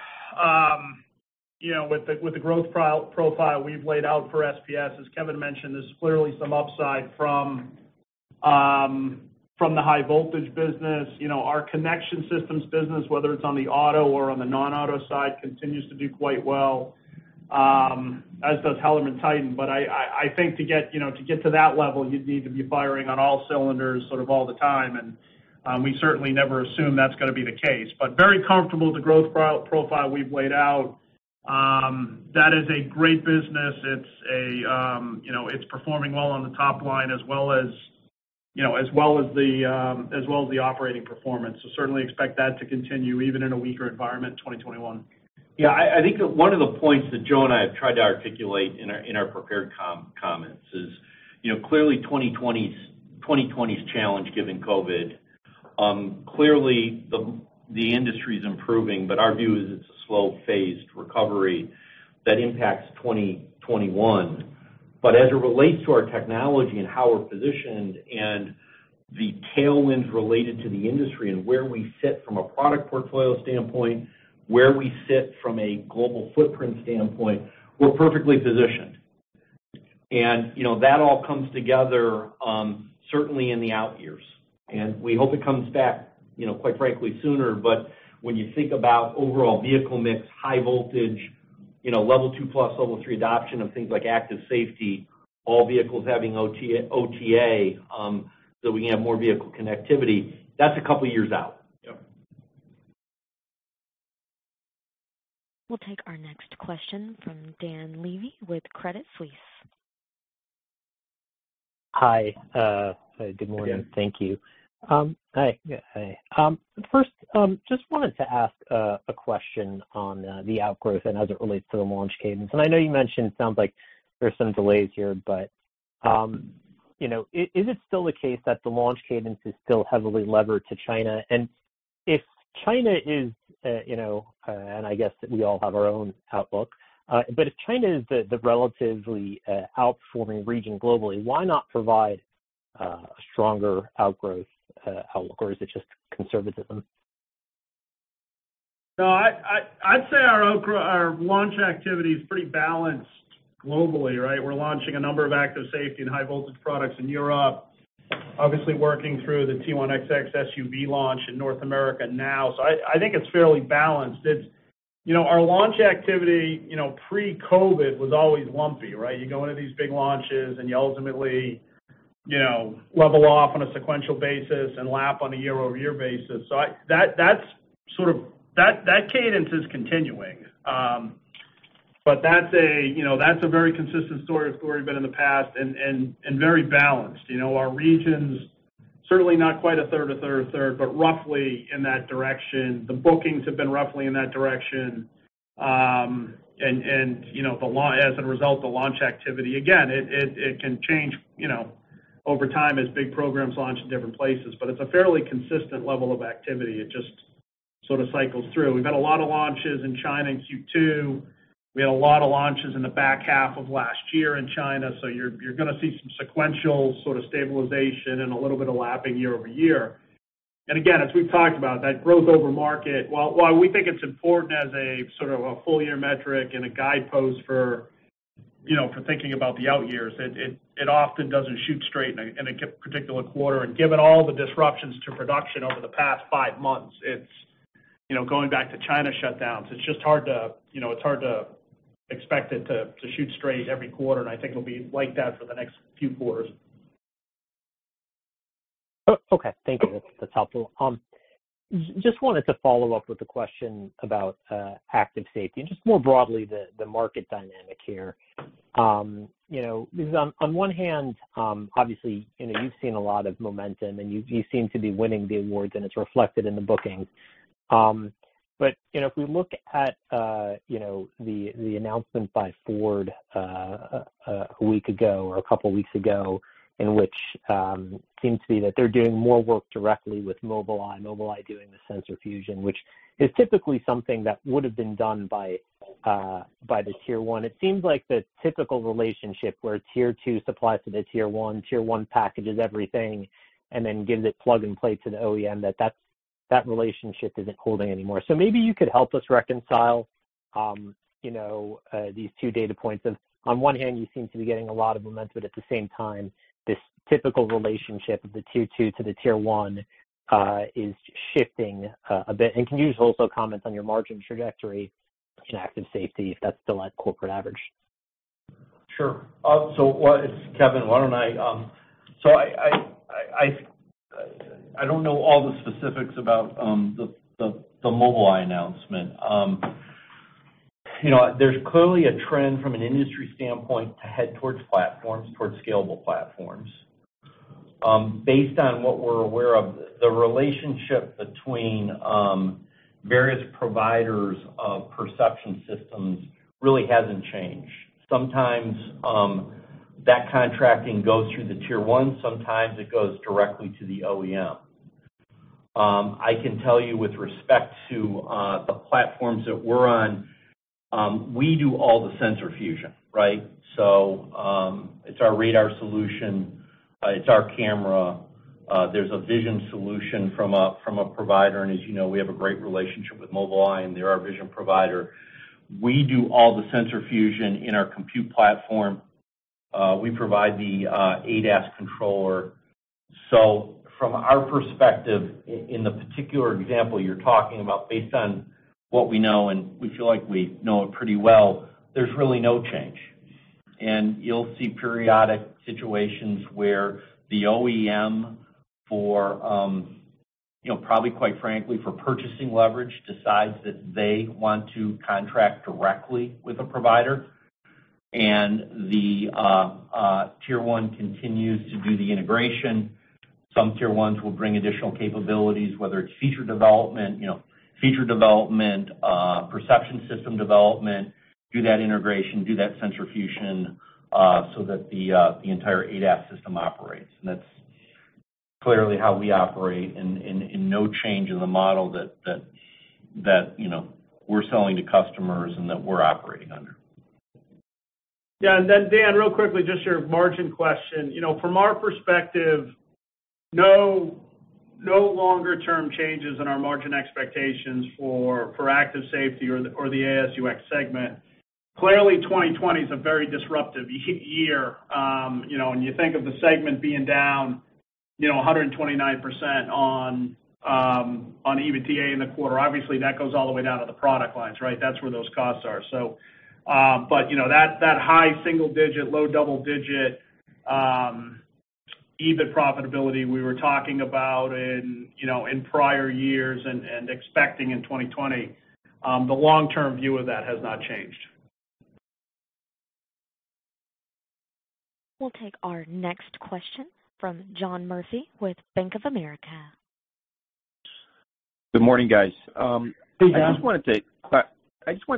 growth profile we've laid out for SPS. As Kevin mentioned, there's clearly some upside from the high-voltage business. Our connection systems business, whether it's on the auto or on the non-auto side, continues to do quite well, as does HellermannTyton. But I think to get to that level, you'd need to be firing on all cylinders sort of all the time. And we certainly never assume that's going to be the case. But very comfortable with the growth profile we've laid out. That is a great business. It's performing well on the top line as well as the operating performance. So certainly expect that to continue even in a weaker environment in 2021. Yeah. I think one of the points that Joe and I have tried to articulate in our prepared comments is clearly 2020's challenge given COVID. Clearly, the industry is improving, but our view is it's a slow-phased recovery that impacts 2021. But as it relates to our technology and how we're positioned and the tailwinds related to the industry and where we sit from a product portfolio standpoint, where we sit from a global footprint standpoint, we're perfectly positioned. That all comes together, certainly, in the out years. We hope it comes back, quite frankly, sooner. But when you think about overall vehicle mix, high voltage, level two plus, level three adoption of things like active safety, all vehicles having OTA so we can have more vehicle connectivity, that's a couple of years out. Yep. We'll take our next question from Dan Levy with Credit Suisse. Hi. Good morning. Thank you. Hi.First, just wanted to ask a question on the outgrowth and as it relates to the launch cadence. I know you mentioned it sounds like there's some delays here, but is it still the case that the launch cadence is still heavily levered to China? And if China is, and I guess we all have our own outlook, but if China is the relatively outperforming region globally, why not provide a stronger outgrowth outlook, or is it just conservatism? No, I'd say our launch activity is pretty balanced globally, right? We're launching a number of active safety and high-voltage products in Europe, obviously working through the T1XX SUV launch in North America now. I think it's fairly balanced. Our launch activity pre-COVID was always lumpy, right? You go into these big launches, and you ultimately level off on a sequential basis and lap on a year-over-year basis. That cadence is continuing. That's a very consistent story we've had in the past and very balanced. Our region's certainly not quite a third, a third, but roughly in that direction. The bookings have been roughly in that direction, and as a result, the launch activity, again, it can change over time as big programs launch in different places, but it's a fairly consistent level of activity. It just sort of cycles through. We've had a lot of launches in China in Q2. We had a lot of launches in the back half of last year in China, so you're going to see some sequential sort of stabilization and a little bit of lapping year over year, and again, as we've talked about, that growth over market, while we think it's important as a sort of a full-year metric and a guidepost for thinking about the out years, it often doesn't shoot straight in a particular quarter. And given all the disruptions to production over the past five months, going back to China shutdowns, it's just hard to expect it to shoot straight every quarter. And I think it'll be like that for the next few quarters. Okay. Thank you. That's helpful. Just wanted to follow up with a question about active safety and just more broadly the market dynamic here. On one hand, obviously, you've seen a lot of momentum, and you seem to be winning the awards, and it's reflected in the bookings. But if we look at the announcement by Ford a week ago or a couple of weeks ago, in which it seems to be that they're doing more work directly with Mobileye, Mobileye doing the sensor fusion, which is typically something that would have been done by the tier one. It seems like the typical relationship where tier two supplies to the tier one, tier one packages everything, and then gives it plug and play to the OEM, that relationship isn't holding anymore. So maybe you could help us reconcile these two data points. On one hand, you seem to be getting a lot of momentum, but at the same time, this typical relationship of the tier two to the tier one is shifting a bit, and can you also comment on your margin trajectory in active safety if that's still at corporate average? Sure. It's Kevin, why don't I. I don't know all the specifics about the Mobileye announcement. There's clearly a trend from an industry standpoint to head towards platforms, towards scalable platforms. Based on what we're aware of, the relationship between various providers of perception systems really hasn't changed. Sometimes that contracting goes through the tier one. Sometimes it goes directly to the OEM. I can tell you with respect to the platforms that we're on, we do all the sensor fusion, right? It's our radar solution. It's our camera. There's a vision solution from a provider. As you know, we have a great relationship with Mobileye, and they're our vision provider. We do all the sensor fusion in our compute platform. We provide the ADAS controller. So from our perspective, in the particular example you're talking about, based on what we know, and we feel like we know it pretty well, there's really no change. You'll see periodic situations where the OEM, probably quite frankly, for purchasing leverage, decides that they want to contract directly with a provider. And the tier one continues to do the integration. Some tier ones will bring additional capabilities, whether it's feature development, feature development, perception system development, do that integration, do that sensor fusion so that the entire ADAS system operates. That's clearly how we operate, and no change in the model that we're selling to customers and that we're operating under. Yeah. Then, Dan, real quickly, just your margin question. From our perspective, no longer-term changes in our margin expectations for active safety or the ASUX segment. Clearly, 2020 is a very disruptive year. You think of the segment being down 129% on EBITDA in the quarter. Obviously, that goes all the way down to the product lines, right? That's where those costs are. That high single-digit, low double-digit EBIT profitability we were talking about in prior years and expecting in 2020, the long-term view of that has not changed. We'll take our next question from John Murphy with Bank of America. Good morning, guys. Hey, John. I just wanted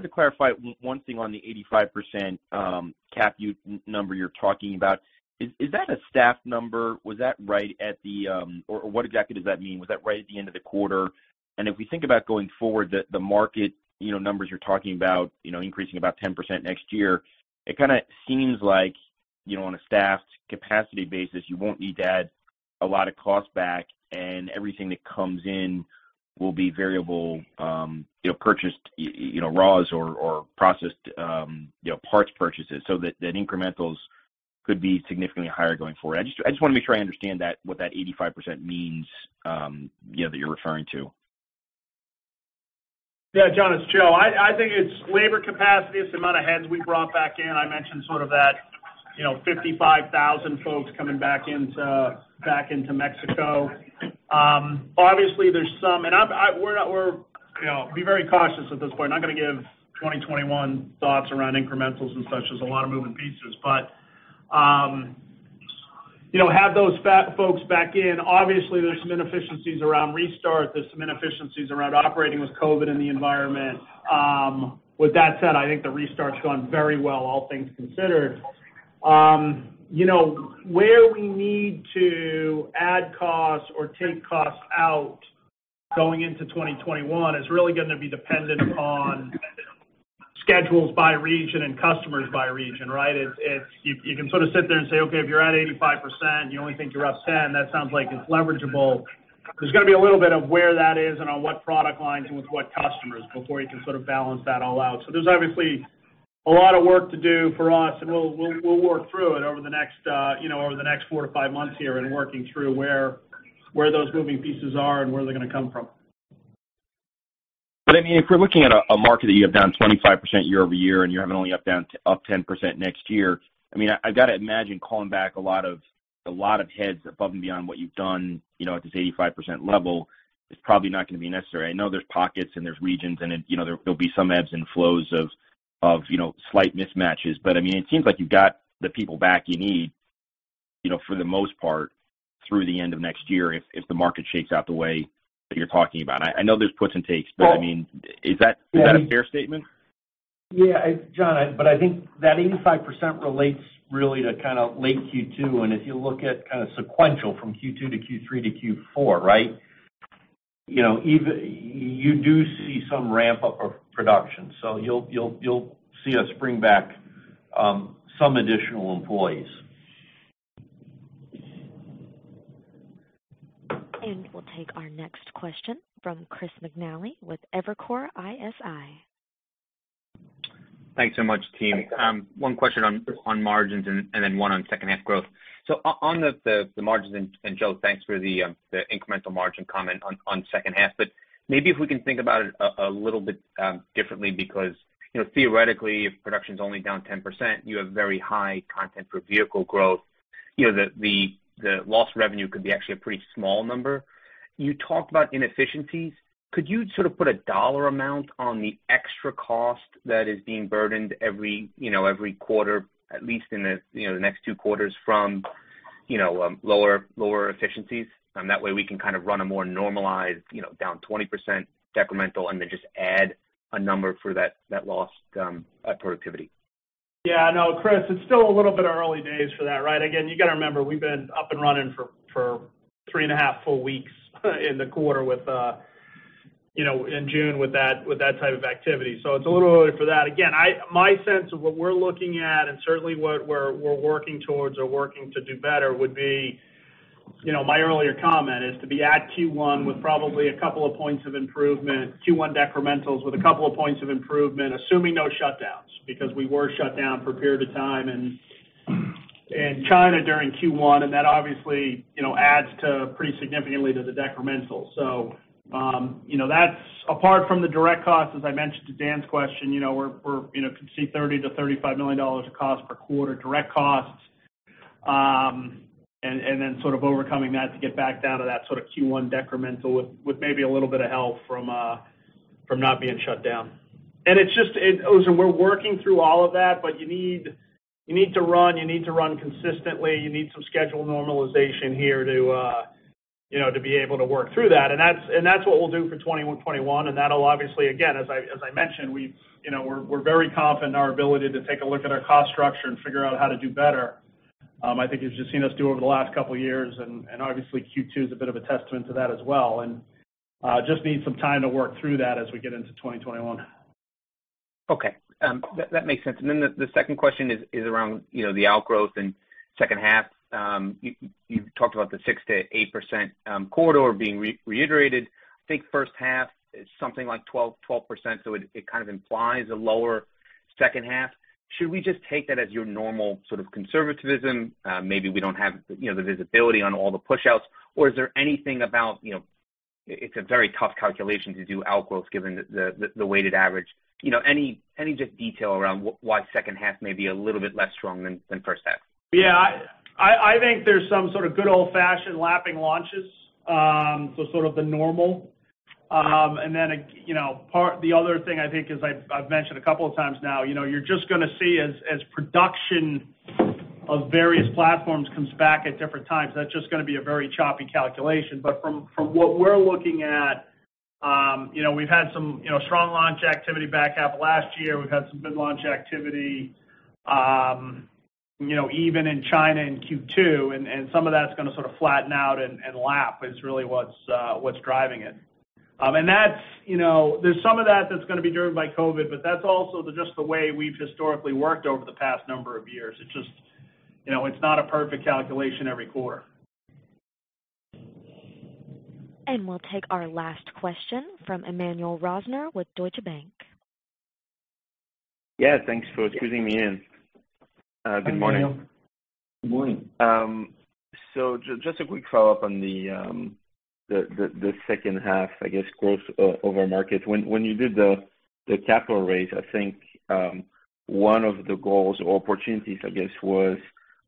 to clarify one thing on the 85% cap number you're talking about. Is that a staff number? Was that right at the—or what exactly does that mean? Was that right at the end of the quarter? If we think about going forward, the market numbers you're talking about increasing about 10% next year, it kind of seems like on a staffed capacity basis, you won't need to add a lot of cost back, and everything that comes in will be variable purchased raws or processed parts purchases. So that incrementals could be significantly higher going forward. I just want to make sure I understand what that 85% means that you're referring to. Yeah. John, it's Joe. I think it's labor capacity, it's the amount of heads we brought back in. I mentioned sort of that 55,000 folks coming back into Mexico. Obviously, there's some and we're being very cautious at this point. I'm not going to give 2021 thoughts around incrementals and such. As a lot of moving pieces, but have those folks back in. Obviously, there's some inefficiencies around restart. There's some inefficiencies around operating with COVID in the environment. With that said, I think the restart's gone very well, all things considered. Where we need to add costs or take costs out going into 2021 is really going to be dependent upon schedules by region and customers by region, right? You can sort of sit there and say, "Okay. If you're at 85%, you only think you're up 10%, that sounds like it's leverageable." There's going to be a little bit of where that is and on what product lines and with what customers before you can sort of balance that all out. So there's obviously a lot of work to do for us, and we'll work through it over the next four to five months here and working through where those moving pieces are and where they're going to come from. But I mean, if we're looking at a market that you have down 25% year over year and you're having only up 10% next year, I mean, I've got to imagine calling back a lot of heads above and beyond what you've done at this 85% level is probably not going to be necessary. I know there's pockets and there's regions, and there'll be some ebbs and flows of slight mismatches. I mean, it seems like you've got the people back you need for the most part through the end of next year if the market shakes out the way that you're talking about. I know there's puts and takes, but I mean, is that a fair statement? Yeah. John, but I think that 85% relates really to kind of late Q2. And if you look at kind of sequential from Q2 to Q3 to Q4, right, you do see some ramp-up of production. So you'll see us bring back some additional employees. We'll take our next question from Chris McNally with Evercore ISI. Thanks so much, team. One question on margins and then one on second-half growth. On the margins and Joe, thanks for the incremental margin comment on second-half. Maybe if we can think about it a little bit differently because theoretically, if production's only down 10%, you have very high content for vehicle growth, the lost revenue could be actually a pretty small number. You talked about inefficiencies. Could you sort of put a dollar amount on the extra cost that is being burdened every quarter, at least in the next two quarters, from lower efficiencies? That way, we can kind of run a more normalized down 20% decremental and then just add a number for that lost productivity. Yeah. I know. Chris, it's still a little bit early days for that, right? Again, you got to remember, we've been up and running for three and a half full weeks in the quarter in June with that type of activity. So it's a little early for that. Again, my sense of what we're looking at and certainly what we're working towards or working to do better would be my earlier comment is to be at Q1 with probably a couple of points of improvement, Q1 decrementals with a couple of points of improvement, assuming no shutdowns because we were shut down for a period of time in China during Q1. And that obviously adds pretty significantly to the decremental. Apart from the direct costs, as I mentioned to Dan's question, we're going to see $30 million-$35 million of cost per quarter, direct costs, and then sort of overcoming that to get back down to that sort of Q1 decremental with maybe a little bit of help from not being shut down. It's just, we're working through all of that, but you need to run, you need to run consistently. You need some schedule normalization here to be able to work through that. That's what we'll do for 2021. And that'll obviously, again, as I mentioned, we're very confident in our ability to take a look at our cost structure and figure out how to do better. I think you've just seen us do over the last couple of years. And obviously, Q2 is a bit of a testament to that as well. And just need some time to work through that as we get into 2021. Okay. That makes sense. The second question is around the outgrowth and second half. You've talked about the 6%-8% corridor being reiterated. I think first half is something like 12%. It kind of implies a lower second half. Should we just take that as your normal sort of conservatism? Maybe we don't have the visibility on all the push-outs. Or is there anything about it? It's a very tough calculation to do outgrowth given the weighted average. Any just detail around why second-half may be a little bit less strong than first-half? Yeah. I think there's some sort of good old-fashioned lapping launches, so sort of the normal. The other thing I think is, I've mentioned a couple of times now, you're just going to see as production of various platforms comes back at different times, that's just going to be a very choppy calculation. But from what we're looking at, we've had some strong launch activity back half of last year. We've had some good launch activity even in China in Q2. Some of that's going to sort of flatten out and lap is really what's driving it. There's some of that that's going to be driven by COVID, but that's also just the way we've historically worked over the past number of years. It's not a perfect calculation every quarter. We'll take our last question from Emmanuel Rosner with Deutsche Bank. Yeah. Thanks for squeezing me in. Good morning. Good morning. Just a quick follow-up on the second-half, I guess, growth over markets. When you did the capital raise, I think one of the goals or opportunities, I guess, was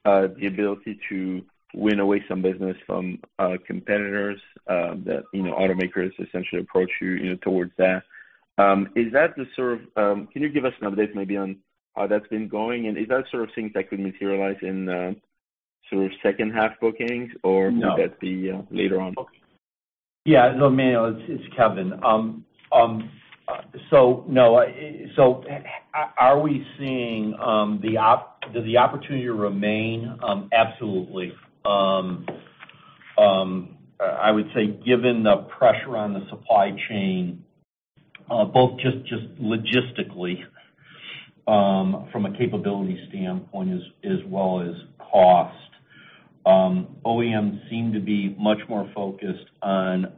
the ability to win away some business from competitors, that automakers essentially approach you towards that. Is that the sort of can you give us an update maybe on how that's been going? Is that sort of thing that could materialize in the sort of second-half bookings, or would that be later on? Yeah. Emmanuel, it's Kevin. So no. Are we seeing the opportunity to remain? Absolutely. I would say given the pressure on the supply chain, both just logistically from a capability standpoint as well as cost, OEMs seem to be much more focused on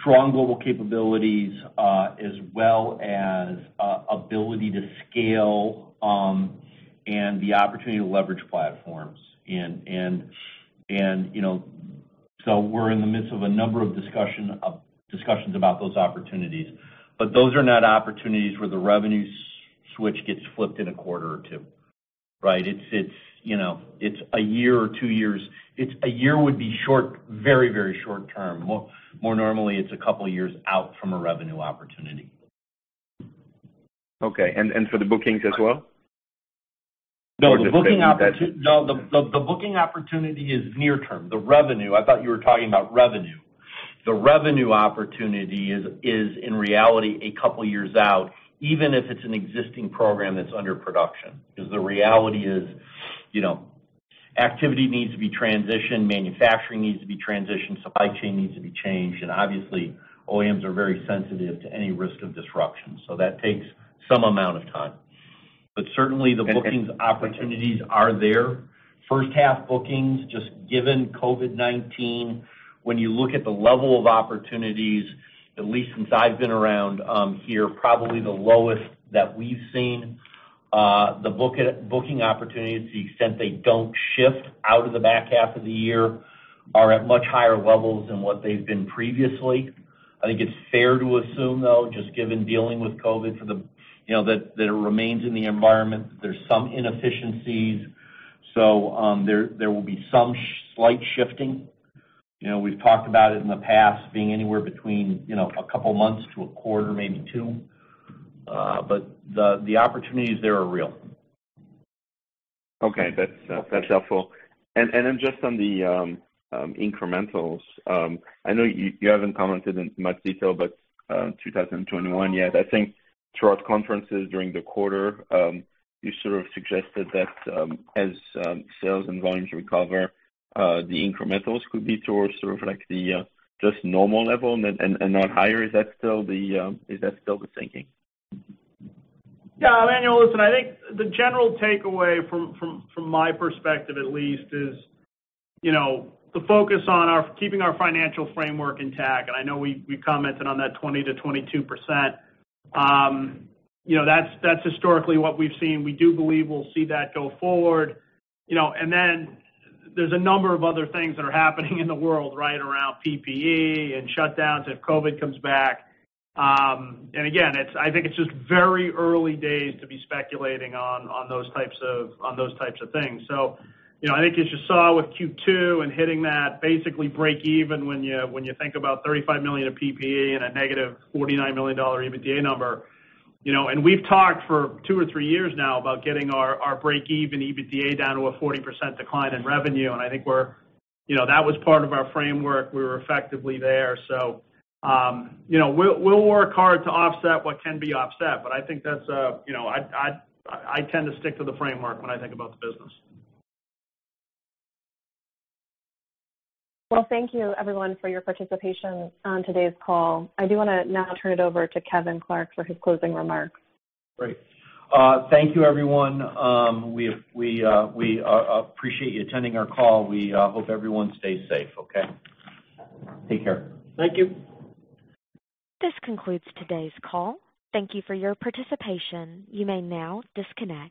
strong global capabilities as well as ability to scale and the opportunity to leverage platforms. We're in the midst of a number of discussions about those opportunities. But those are not opportunities where the revenue switch gets flipped in a quarter or two, right? It's a year or two years. A year would be very, very short term. More normally, it's a couple of years out from a revenue opportunity. Okay. And for the bookings as well? No, the booking opportunity is near term. The revenue, I thought you were talking about revenue. The revenue opportunity is, in reality, a couple of years out, even if it's an existing program that's under production. Because the reality is activity needs to be transitioned, manufacturing needs to be transitioned, supply chain needs to be changed. And obviously, OEMs are very sensitive to any risk of disruption. So that takes some amount of time. But certainly, the bookings opportunities are there. First-half bookings, just given COVID-19, when you look at the level of opportunities, at least since I've been around here, probably the lowest that we've seen. The booking opportunities, to the extent they don't shift out of the back half of the year, are at much higher levels than what they've been previously. I think it's fair to assume, though, just given dealing with COVID, that it remains in the environment, there's some inefficiencies. So there will be some slight shifting. We've talked about it in the past being anywhere between a couple of months to a quarter, maybe two. But the opportunities there are real. Okay. That's helpful. Just on the incrementals, I know you haven't commented in much detail, but 2021, yeah, I think throughout conferences during the quarter, you sort of suggested that as sales and volumes recover, the incrementals could be towards sort of the just normal level and not higher. Is that still the thinking? Yeah. Emmanuel, listen, I think the general takeaway from my perspective, at least, is the focus on keeping our financial framework intact. I know we commented on that 20%-22%. That's historically what we've seen. We do believe we'll see that go forward. And then there's a number of other things that are happening in the world, right, around PPE and shutdowns if COVID comes back. Again, I think it's just very early days to be speculating on those types of things. I think you just saw with Q2 and hitting that basically break-even when you think about $35 million of PPE and a -$49 million EBITDA number. We've talked for two or three years now about getting our break-even EBITDA down to a 40% decline in revenue. I think that was part of our framework. We were effectively there. So we'll work hard to offset what can be offset. But I think that's a I tend to stick to the framework when I think about the business. Well, thank you, everyone, for your participation on today's call. I do want to now turn it over to Kevin Clark for his closing remarks. Great. Thank you, everyone. We appreciate you attending our call. We hope everyone stays safe, okay? Take care. Thank you. This concludes today's call. Thank you for your participation. You may now disconnect.